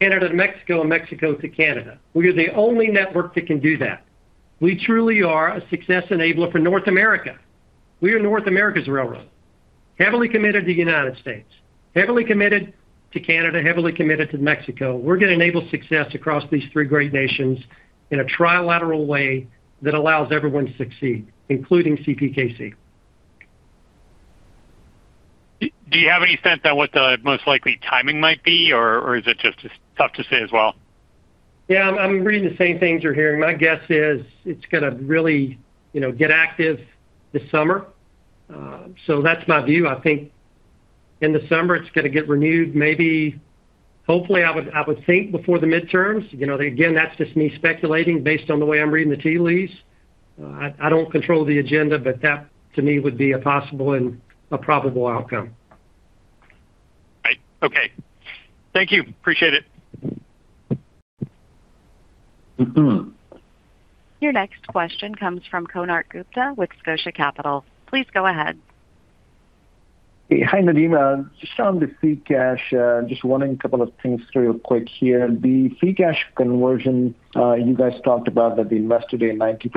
Canada to Mexico and Mexico to Canada. We are the only network that can do that. We truly are a success enabler for North America. We are North America's railroad, heavily committed to the United States, heavily committed to Canada, heavily committed to Mexico. We're going to enable success across these three great nations in a trilateral way that allows everyone to succeed, including CPKC. Do you have any sense on what the most likely timing might be, or is it just tough to say as well? Yeah, I'm reading the same things you're hearing. My guess is it's going to really, you know, get active this summer. So that's my view. I think in the summer it's going to get renewed, maybe... Hopefully, I would think before the midterms. You know, again, that's just me speculating based on the way I'm reading the tea leaves. I don't control the agenda, but that, to me, would be a possible and a probable outcome. Right. Okay. Thank you. Appreciate it. Mm-hmm. Your next question comes from Konark Gupta with Scotia Capital. Please go ahead. Hey. Hi, Nadeem. Just on the free cash, just wanting a couple of things real quick here. The free cash conversion, you guys talked about that the invested in 90%,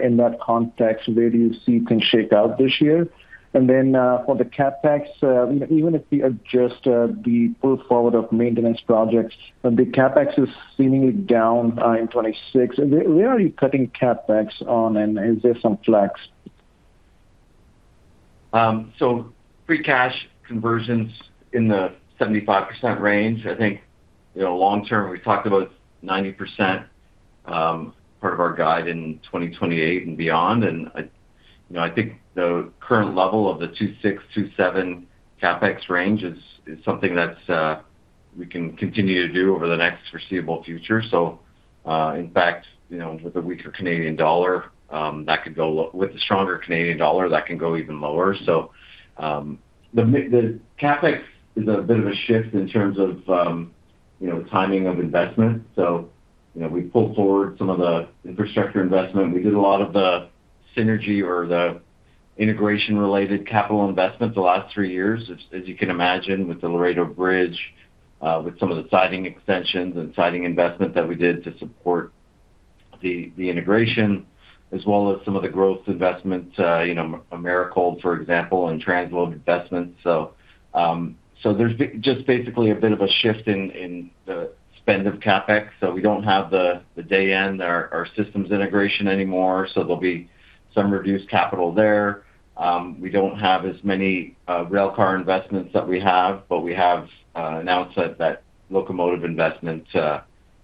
in that context, where do you see it can shake out this year? And then, for the CapEx, even if we adjust the pull forward of maintenance projects, the CapEx is seemingly down in 2026. Where are you cutting CapEx on, and is there some flex? So free cash conversion's in the 75% range. I think, you know, long term, we talked about 90%, part of our guide in 2028 and beyond. I, you know, I think the current level of the 2.6-2.7 CapEx range is something that's we can continue to do over the next foreseeable future. So, in fact, you know, with the weaker Canadian dollar. With the stronger Canadian dollar, that can go even lower. So, the CapEx is a bit of a shift in terms of, you know, timing of investment. So, you know, we pulled forward some of the infrastructure investment. We did a lot of the synergy or the integration-related capital investments the last three years, as you can imagine, with the Laredo Bridge, with some of the siding extensions and siding investment that we did to support the integration, as well as some of the growth investments, you know, Americold, for example, and transload investments. So, there's just basically a bit of a shift in the spend of CapEx. So we don't have the end of our systems integration anymore, so there'll be some reduced capital there. We don't have as many railcar investments that we have, but we have announced that locomotive investment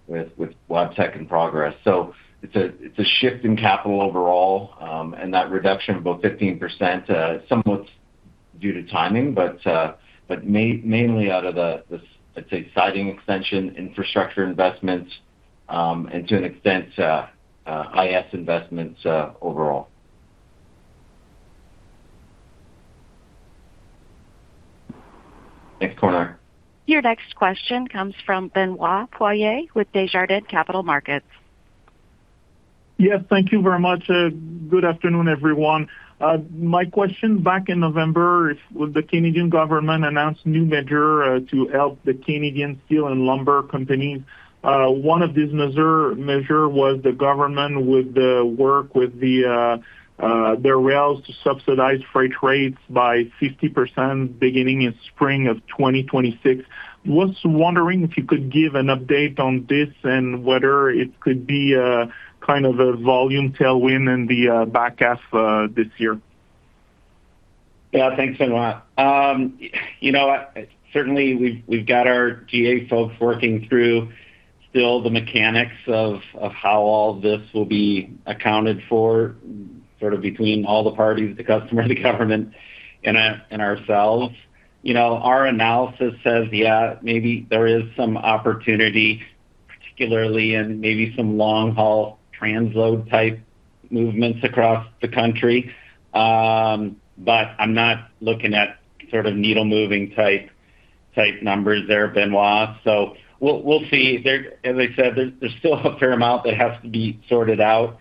with Wabtec in progress. So it's a shift in capital overall, and that reduction of about 15% is somewhat due to timing, but mainly out of the, the, let's say, siding extension, infrastructure investments, and to an extent, IS investments overall. Thanks, Konark. Your next question comes from Benoit Poirier with Desjardins Capital Markets. Yes, thank you very much. Good afternoon, everyone. My question, back in November, when the Canadian government announced new measure to help the Canadian steel and lumber companies, one of these measure was the government would work with the rails to subsidize freight rates by 50% beginning in spring of 2026. Was wondering if you could give an update on this and whether it could be kind of a volume tailwind in the back half this year. Yeah. Thanks a lot. You know what? Certainly, we've got our GA folks working through still the mechanics of how all this will be accounted for, sort of between all the parties, the customer, the government and ourselves. You know, our analysis says, yeah, maybe there is some opportunity, particularly in maybe some long-haul transload-type movements across the country. But I'm not looking at sort of needle-moving type numbers there, Benoit. So we'll see. There, as I said, there's still a fair amount that has to be sorted out.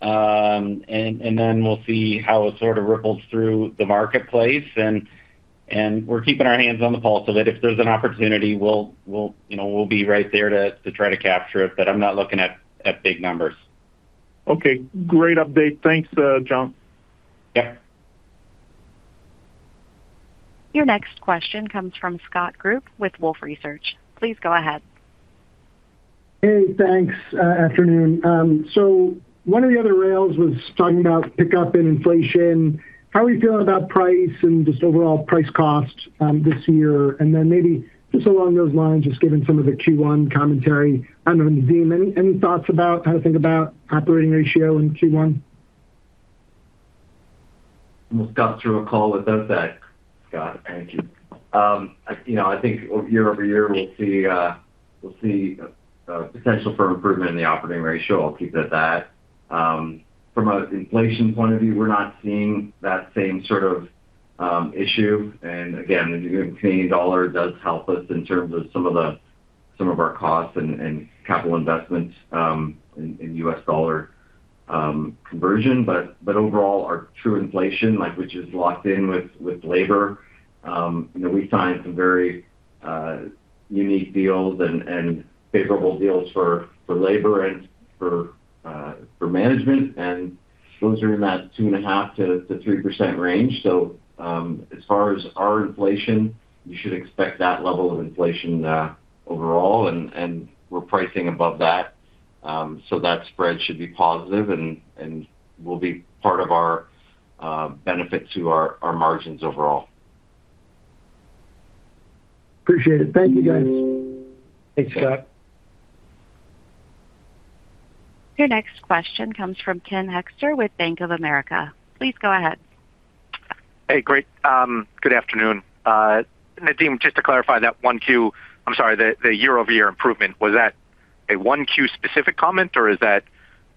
And then we'll see how it sort of ripples through the marketplace, and we're keeping our hands on the pulse of it. If there's an opportunity, we'll you know we'll be right there to try to capture it, but I'm not looking at big numbers. Okay, great update. Thanks, John. Yeah. Your next question comes from Scott Group with Wolfe Research. Please go ahead. Hey, thanks, afternoon. So one of the other rails was talking about pickup in inflation. How are you feeling about price and just overall price costs, this year? And then maybe just along those lines, just given some of the Q1 commentary, I don't know, Nadeem, thoughts about how to think about operating ratio in Q1? We got through a call without that, Scott. Thank you. You know, I think year-over-year, we'll see a potential for improvement in the operating ratio. I'll keep it at that. From an inflation point of view, we're not seeing that same sort of issue. And again, the Canadian dollar does help us in terms of some of the—some of our costs and capital investments in U.S. dollar conversion. But overall, our true inflation, like, which is locked in with labor, you know, we signed some very unique deals and favorable deals for labor and for management, and those are in that 2.5%-3% range. So, as far as our inflation, you should expect that level of inflation, overall, and we're pricing above that. So that spread should be positive and will be part of our benefit to our margins overall. Appreciate it. Thank you, guys. Thanks, Scott. Your next question comes from Ken Hoexter with Bank of America. Please go ahead. Hey, great. Good afternoon. Nadeem, just to clarify that 1Q—I'm sorry, the year-over-year improvement, was that a 1Q specific comment, or is that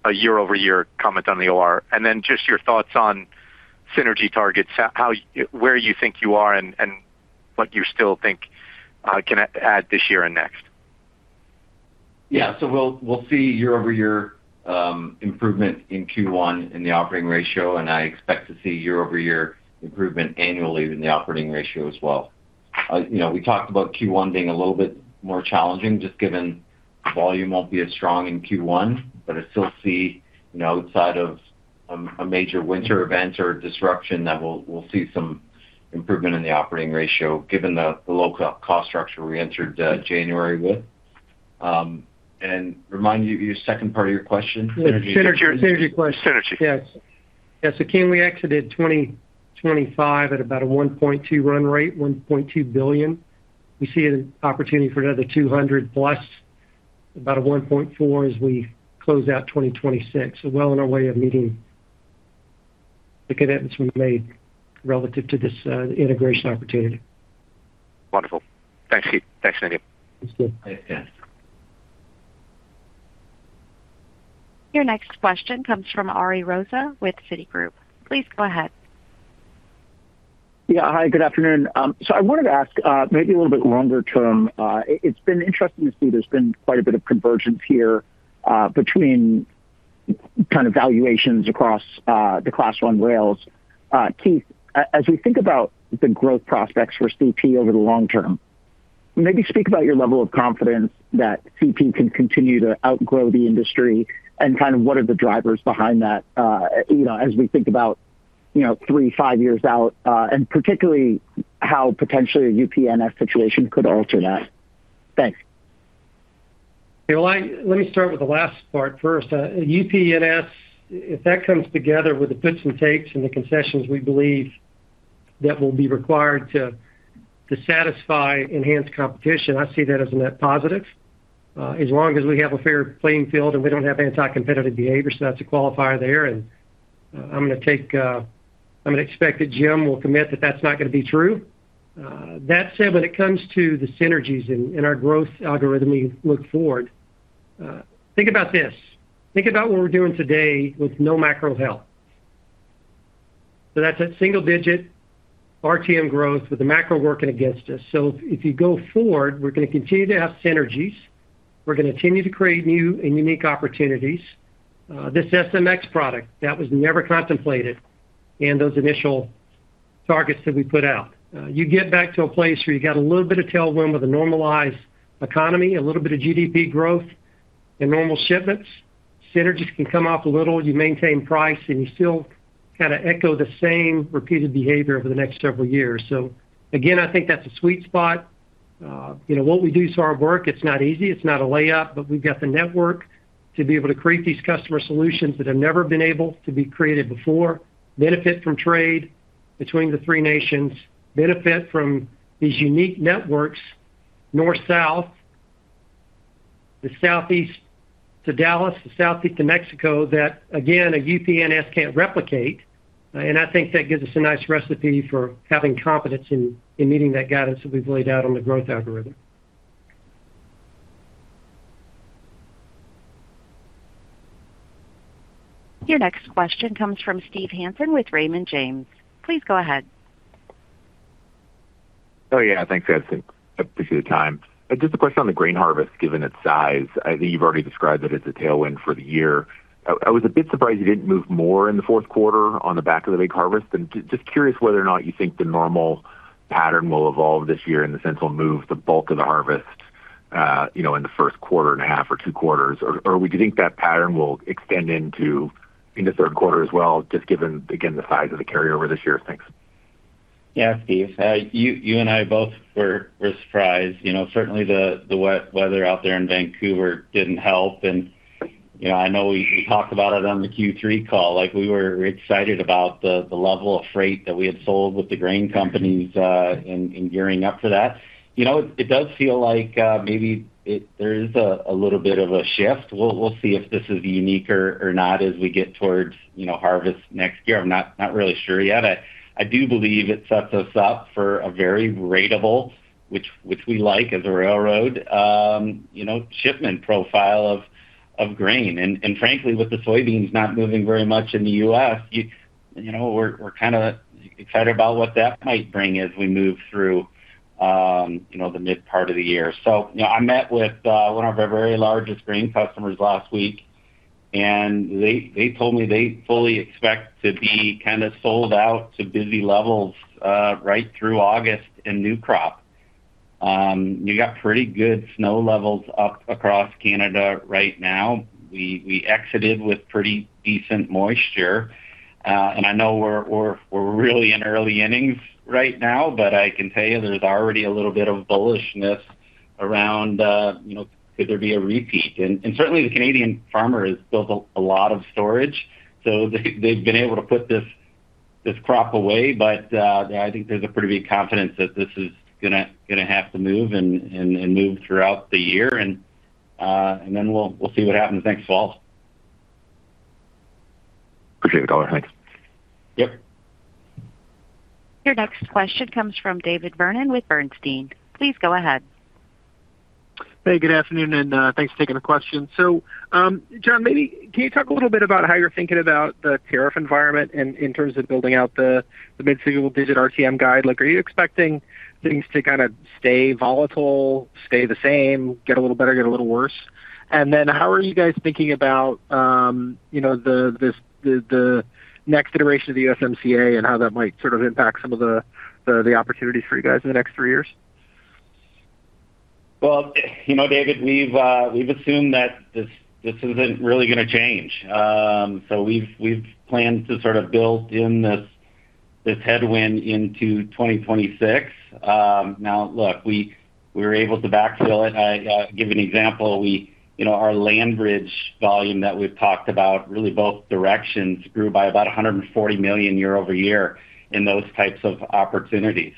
a year-over-year comment on the OR? And then just your thoughts on synergy targets, how, where you think you are and what you still think can add this year and next. Yeah. So we'll see year-over-year improvement in Q1 in the operating ratio, and I expect to see year-over-year improvement annually in the operating ratio as well. You know, we talked about Q1 being a little bit more challenging, just given volume won't be as strong in Q1, but I still see, you know, outside of a major winter event or disruption, that we'll see some improvement in the operating ratio, given the low cost structure we entered January with. And remind you your second part of your question? Synergy, synergy question. Synergy. Yes. Yeah, so Ken, we exited 2025 at about a 1.2 run rate, 1.2 billion. We see an opportunity for another 200+, about a 1.4 billion as we close out 2026. So well on our way of meeting the commitments we made relative to this, integration opportunity. Wonderful. Thanks, Keith. Thanks, Jim. Thanks, Ken. Your next question comes from Ari Rosa with Citigroup. Please go ahead. Yeah. Hi, good afternoon. So I wanted to ask, maybe a little bit longer term. It's been interesting to see there's been quite a bit of convergence here, between kind of valuations across, the Class I rails. Keith, as we think about the growth prospects for CP over the long term, maybe speak about your level of confidence that CP can continue to outgrow the industry and kind of what are the drivers behind that, you know, as we think about, you know, three, five years out, and particularly how potentially a UPNS situation could alter that? Thanks. Well, let me start with the last part first. UPNS, if that comes together with the gives and takes, and the concessions, we believe that will be required to satisfy enhanced competition, I see that as a net positive. As long as we have a fair playing field and we don't have anti-competitive behavior, so that's a qualifier there. And, I'm going to expect that Jim will commit that that's not going to be true. That said, when it comes to the synergies in our growth algorithm, we look forward. Think about this, think about what we're doing today with no macro help. So that's a single digit RTM growth with the macro working against us. So if you go forward, we're going to continue to have synergies. We're going to continue to create new and unique opportunities. This SMX product, that was never contemplated in those initial targets that we put out. You get back to a place where you got a little bit of tailwind with a normalized economy, a little bit of GDP growth and normal shipments. Synergies can come off a little, you maintain price, and you still kind of echo the same repeated behavior over the next several years. So again, I think that's a sweet spot. You know, what we do is hard work. It's not easy, it's not a layup, but we've got the network to be able to create these customer solutions that have never been able to be created before. Benefit from trade between the three nations, benefit from these unique networks, north, south, the Southeast to Dallas, the Southeast to Mexico, that again, a UP/NS can't replicate. And I think that gives us a nice recipe for having confidence in, in meeting that guidance that we've laid out on the growth algorithm. Your next question comes from Steve Hansen with Raymond James. Please go ahead. Oh, yeah. Thanks, guys. I appreciate the time. Just a question on the grain harvest, given its size, I think you've already described it as a tailwind for the year. I was a bit surprised you didn't move more in the fourth quarter on the back of the big harvest. And just curious whether or not you think the normal pattern will evolve this year, and the central move, the bulk of the harvest, you know, in the first quarter and a half or two quarters, or do you think that pattern will extend into the third quarter as well, just given, again, the size of the carryover this year? Thanks. Yeah, Steve, you and I both were surprised. You know, certainly the wet weather out there in Vancouver didn't help. You know, I know we talked about it on the Q3 call, like, we were excited about the level of freight that we had sold with the grain companies in gearing up for that. You know, it does feel like maybe there is a little bit of a shift. We'll see if this is unique or not as we get towards, you know, harvest next year. I'm not really sure yet. I do believe it sets us up for a very ratable, which we like as a railroad, you know, shipment profile of grain. Frankly, with the soybeans not moving very much in the U.S., you know, we're kind of excited about what that might bring as we move through, you know, the mid part of the year. So, you know, I met with one of our very largest grain customers last week, and they told me they fully expect to be kind of sold out to busy levels right through August in new crop. You got pretty good snow levels up across Canada right now. We exited with pretty decent moisture, and I know we're really in early innings right now, but I can tell you there's already a little bit of bullishness around, you know, could there be a repeat? Certainly the Canadian farmer has built a lot of storage, so they've been able to put this crop away. But I think there's a pretty big confidence that this is going to have to move and move throughout the year, and then we'll see what happens next fall. Appreciate the call. Thanks. Yep. Your next question comes from David Vernon with Bernstein. Please go ahead. Hey, good afternoon, and thanks for taking the question. So, John, maybe can you talk a little bit about how you're thinking about the tariff environment in terms of building out the mid-single-digit RTM guide? Like, are you expecting things to kind of stay volatile, stay the same, get a little better, get a little worse? And then how are you guys thinking about, you know, the next iteration of the USMCA and how that might sort of impact some of the opportunities for you guys in the next three years? Well, you know, David, we've assumed that this isn't really going to change. So we've planned to sort of build in this headwind into 2026. Now, look, we were able to backfill it. I give you an example. We, you know, our land bridge volume that we've talked about, really, both directions, grew by about 140 million year-over-year in those types of opportunities.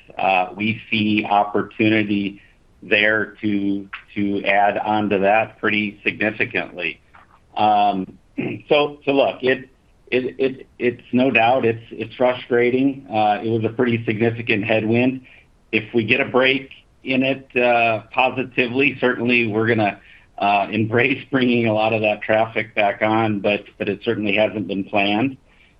We see opportunity there to add onto that pretty significantly. So look, it's no doubt it's frustrating. It was a pretty significant headwind. If we get a break in it positively, certainly we're gonna embrace bringing a lot of that traffic back on, but it certainly hasn't been planned.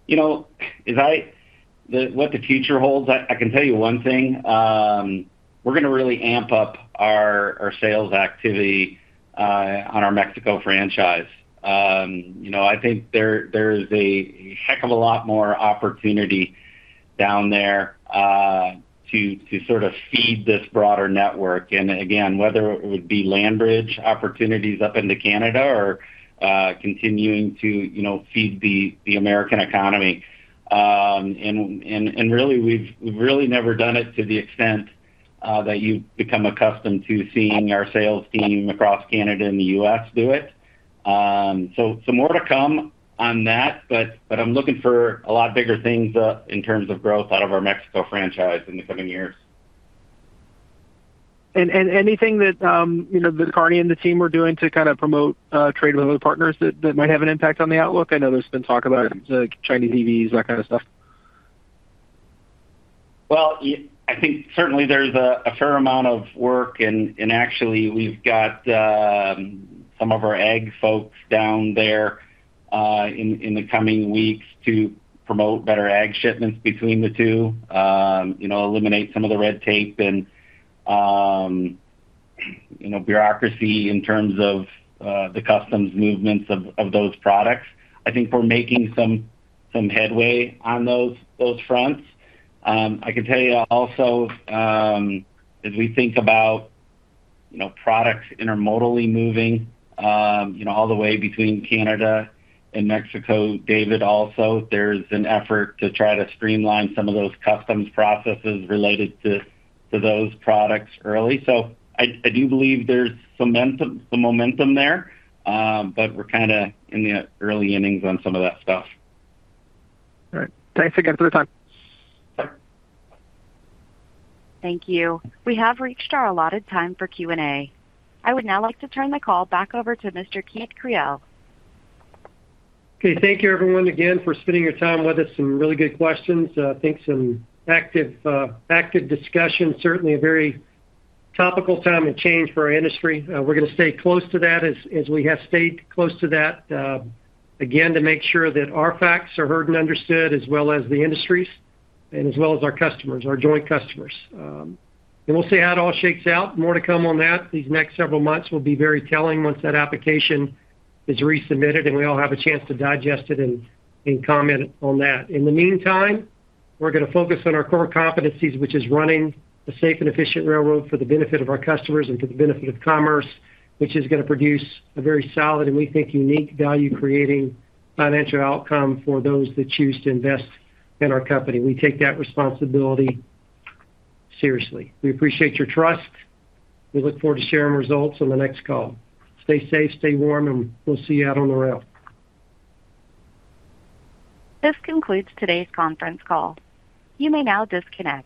You know, what the future holds, I can tell you one thing, we're gonna really amp up our sales activity on our Mexico franchise. You know, I think there's a heck of a lot more opportunity down there to sort of feed this broader network. And again, whether it would be land bridge opportunities up into Canada or continuing to, you know, feed the American economy. And really, we've really never done it to the extent that you've become accustomed to seeing our sales team across Canada and the U.S. do it. So some more to come on that, but I'm looking for a lot bigger things in terms of growth out of our Mexico franchise in the coming years. Anything that you know that Carney and the team are doing to kind of promote trade with other partners that might have an impact on the outlook? I know there's been talk about the Chinese EVs, that kind of stuff. Well, I think certainly there's a fair amount of work, and actually, we've got some of our ag folks down there in the coming weeks to promote better ag shipments between the two. You know, eliminate some of the red tape and you know, bureaucracy in terms of the customs movements of those products. I think we're making some headway on those fronts. I can tell you also as we think about you know, products intermodally moving you know, all the way between Canada and Mexico, David, also, there's an effort to try to streamline some of those customs processes related to those products early. So I do believe there's some momentum there, but we're kinda in the early innings on some of that stuff. All right. Thanks again for the time. Thank you. We have reached our allotted time for Q&A. I would now like to turn the call back over to Mr. Keith Creel. Okay. Thank you, everyone, again, for spending your time with us. Some really good questions. I think some active discussion. Certainly, a very topical time of change for our industry. We're gonna stay close to that, as we have stayed close to that, again, to make sure that our facts are heard and understood, as well as the industry's and as well as our customers, our joint customers. And we'll see how it all shakes out. More to come on that. These next several months will be very telling once that application is resubmitted, and we all have a chance to digest it and comment on that. In the meantime, we're gonna focus on our core competencies, which is running a safe and efficient railroad for the benefit of our customers and for the benefit of commerce, which is gonna produce a very solid and, we think, unique value-creating financial outcome for those that choose to invest in our company. We take that responsibility seriously. We appreciate your trust. We look forward to sharing results on the next call. Stay safe, stay warm, and we'll see you out on the rail. This concludes today's conference call. You may now disconnect.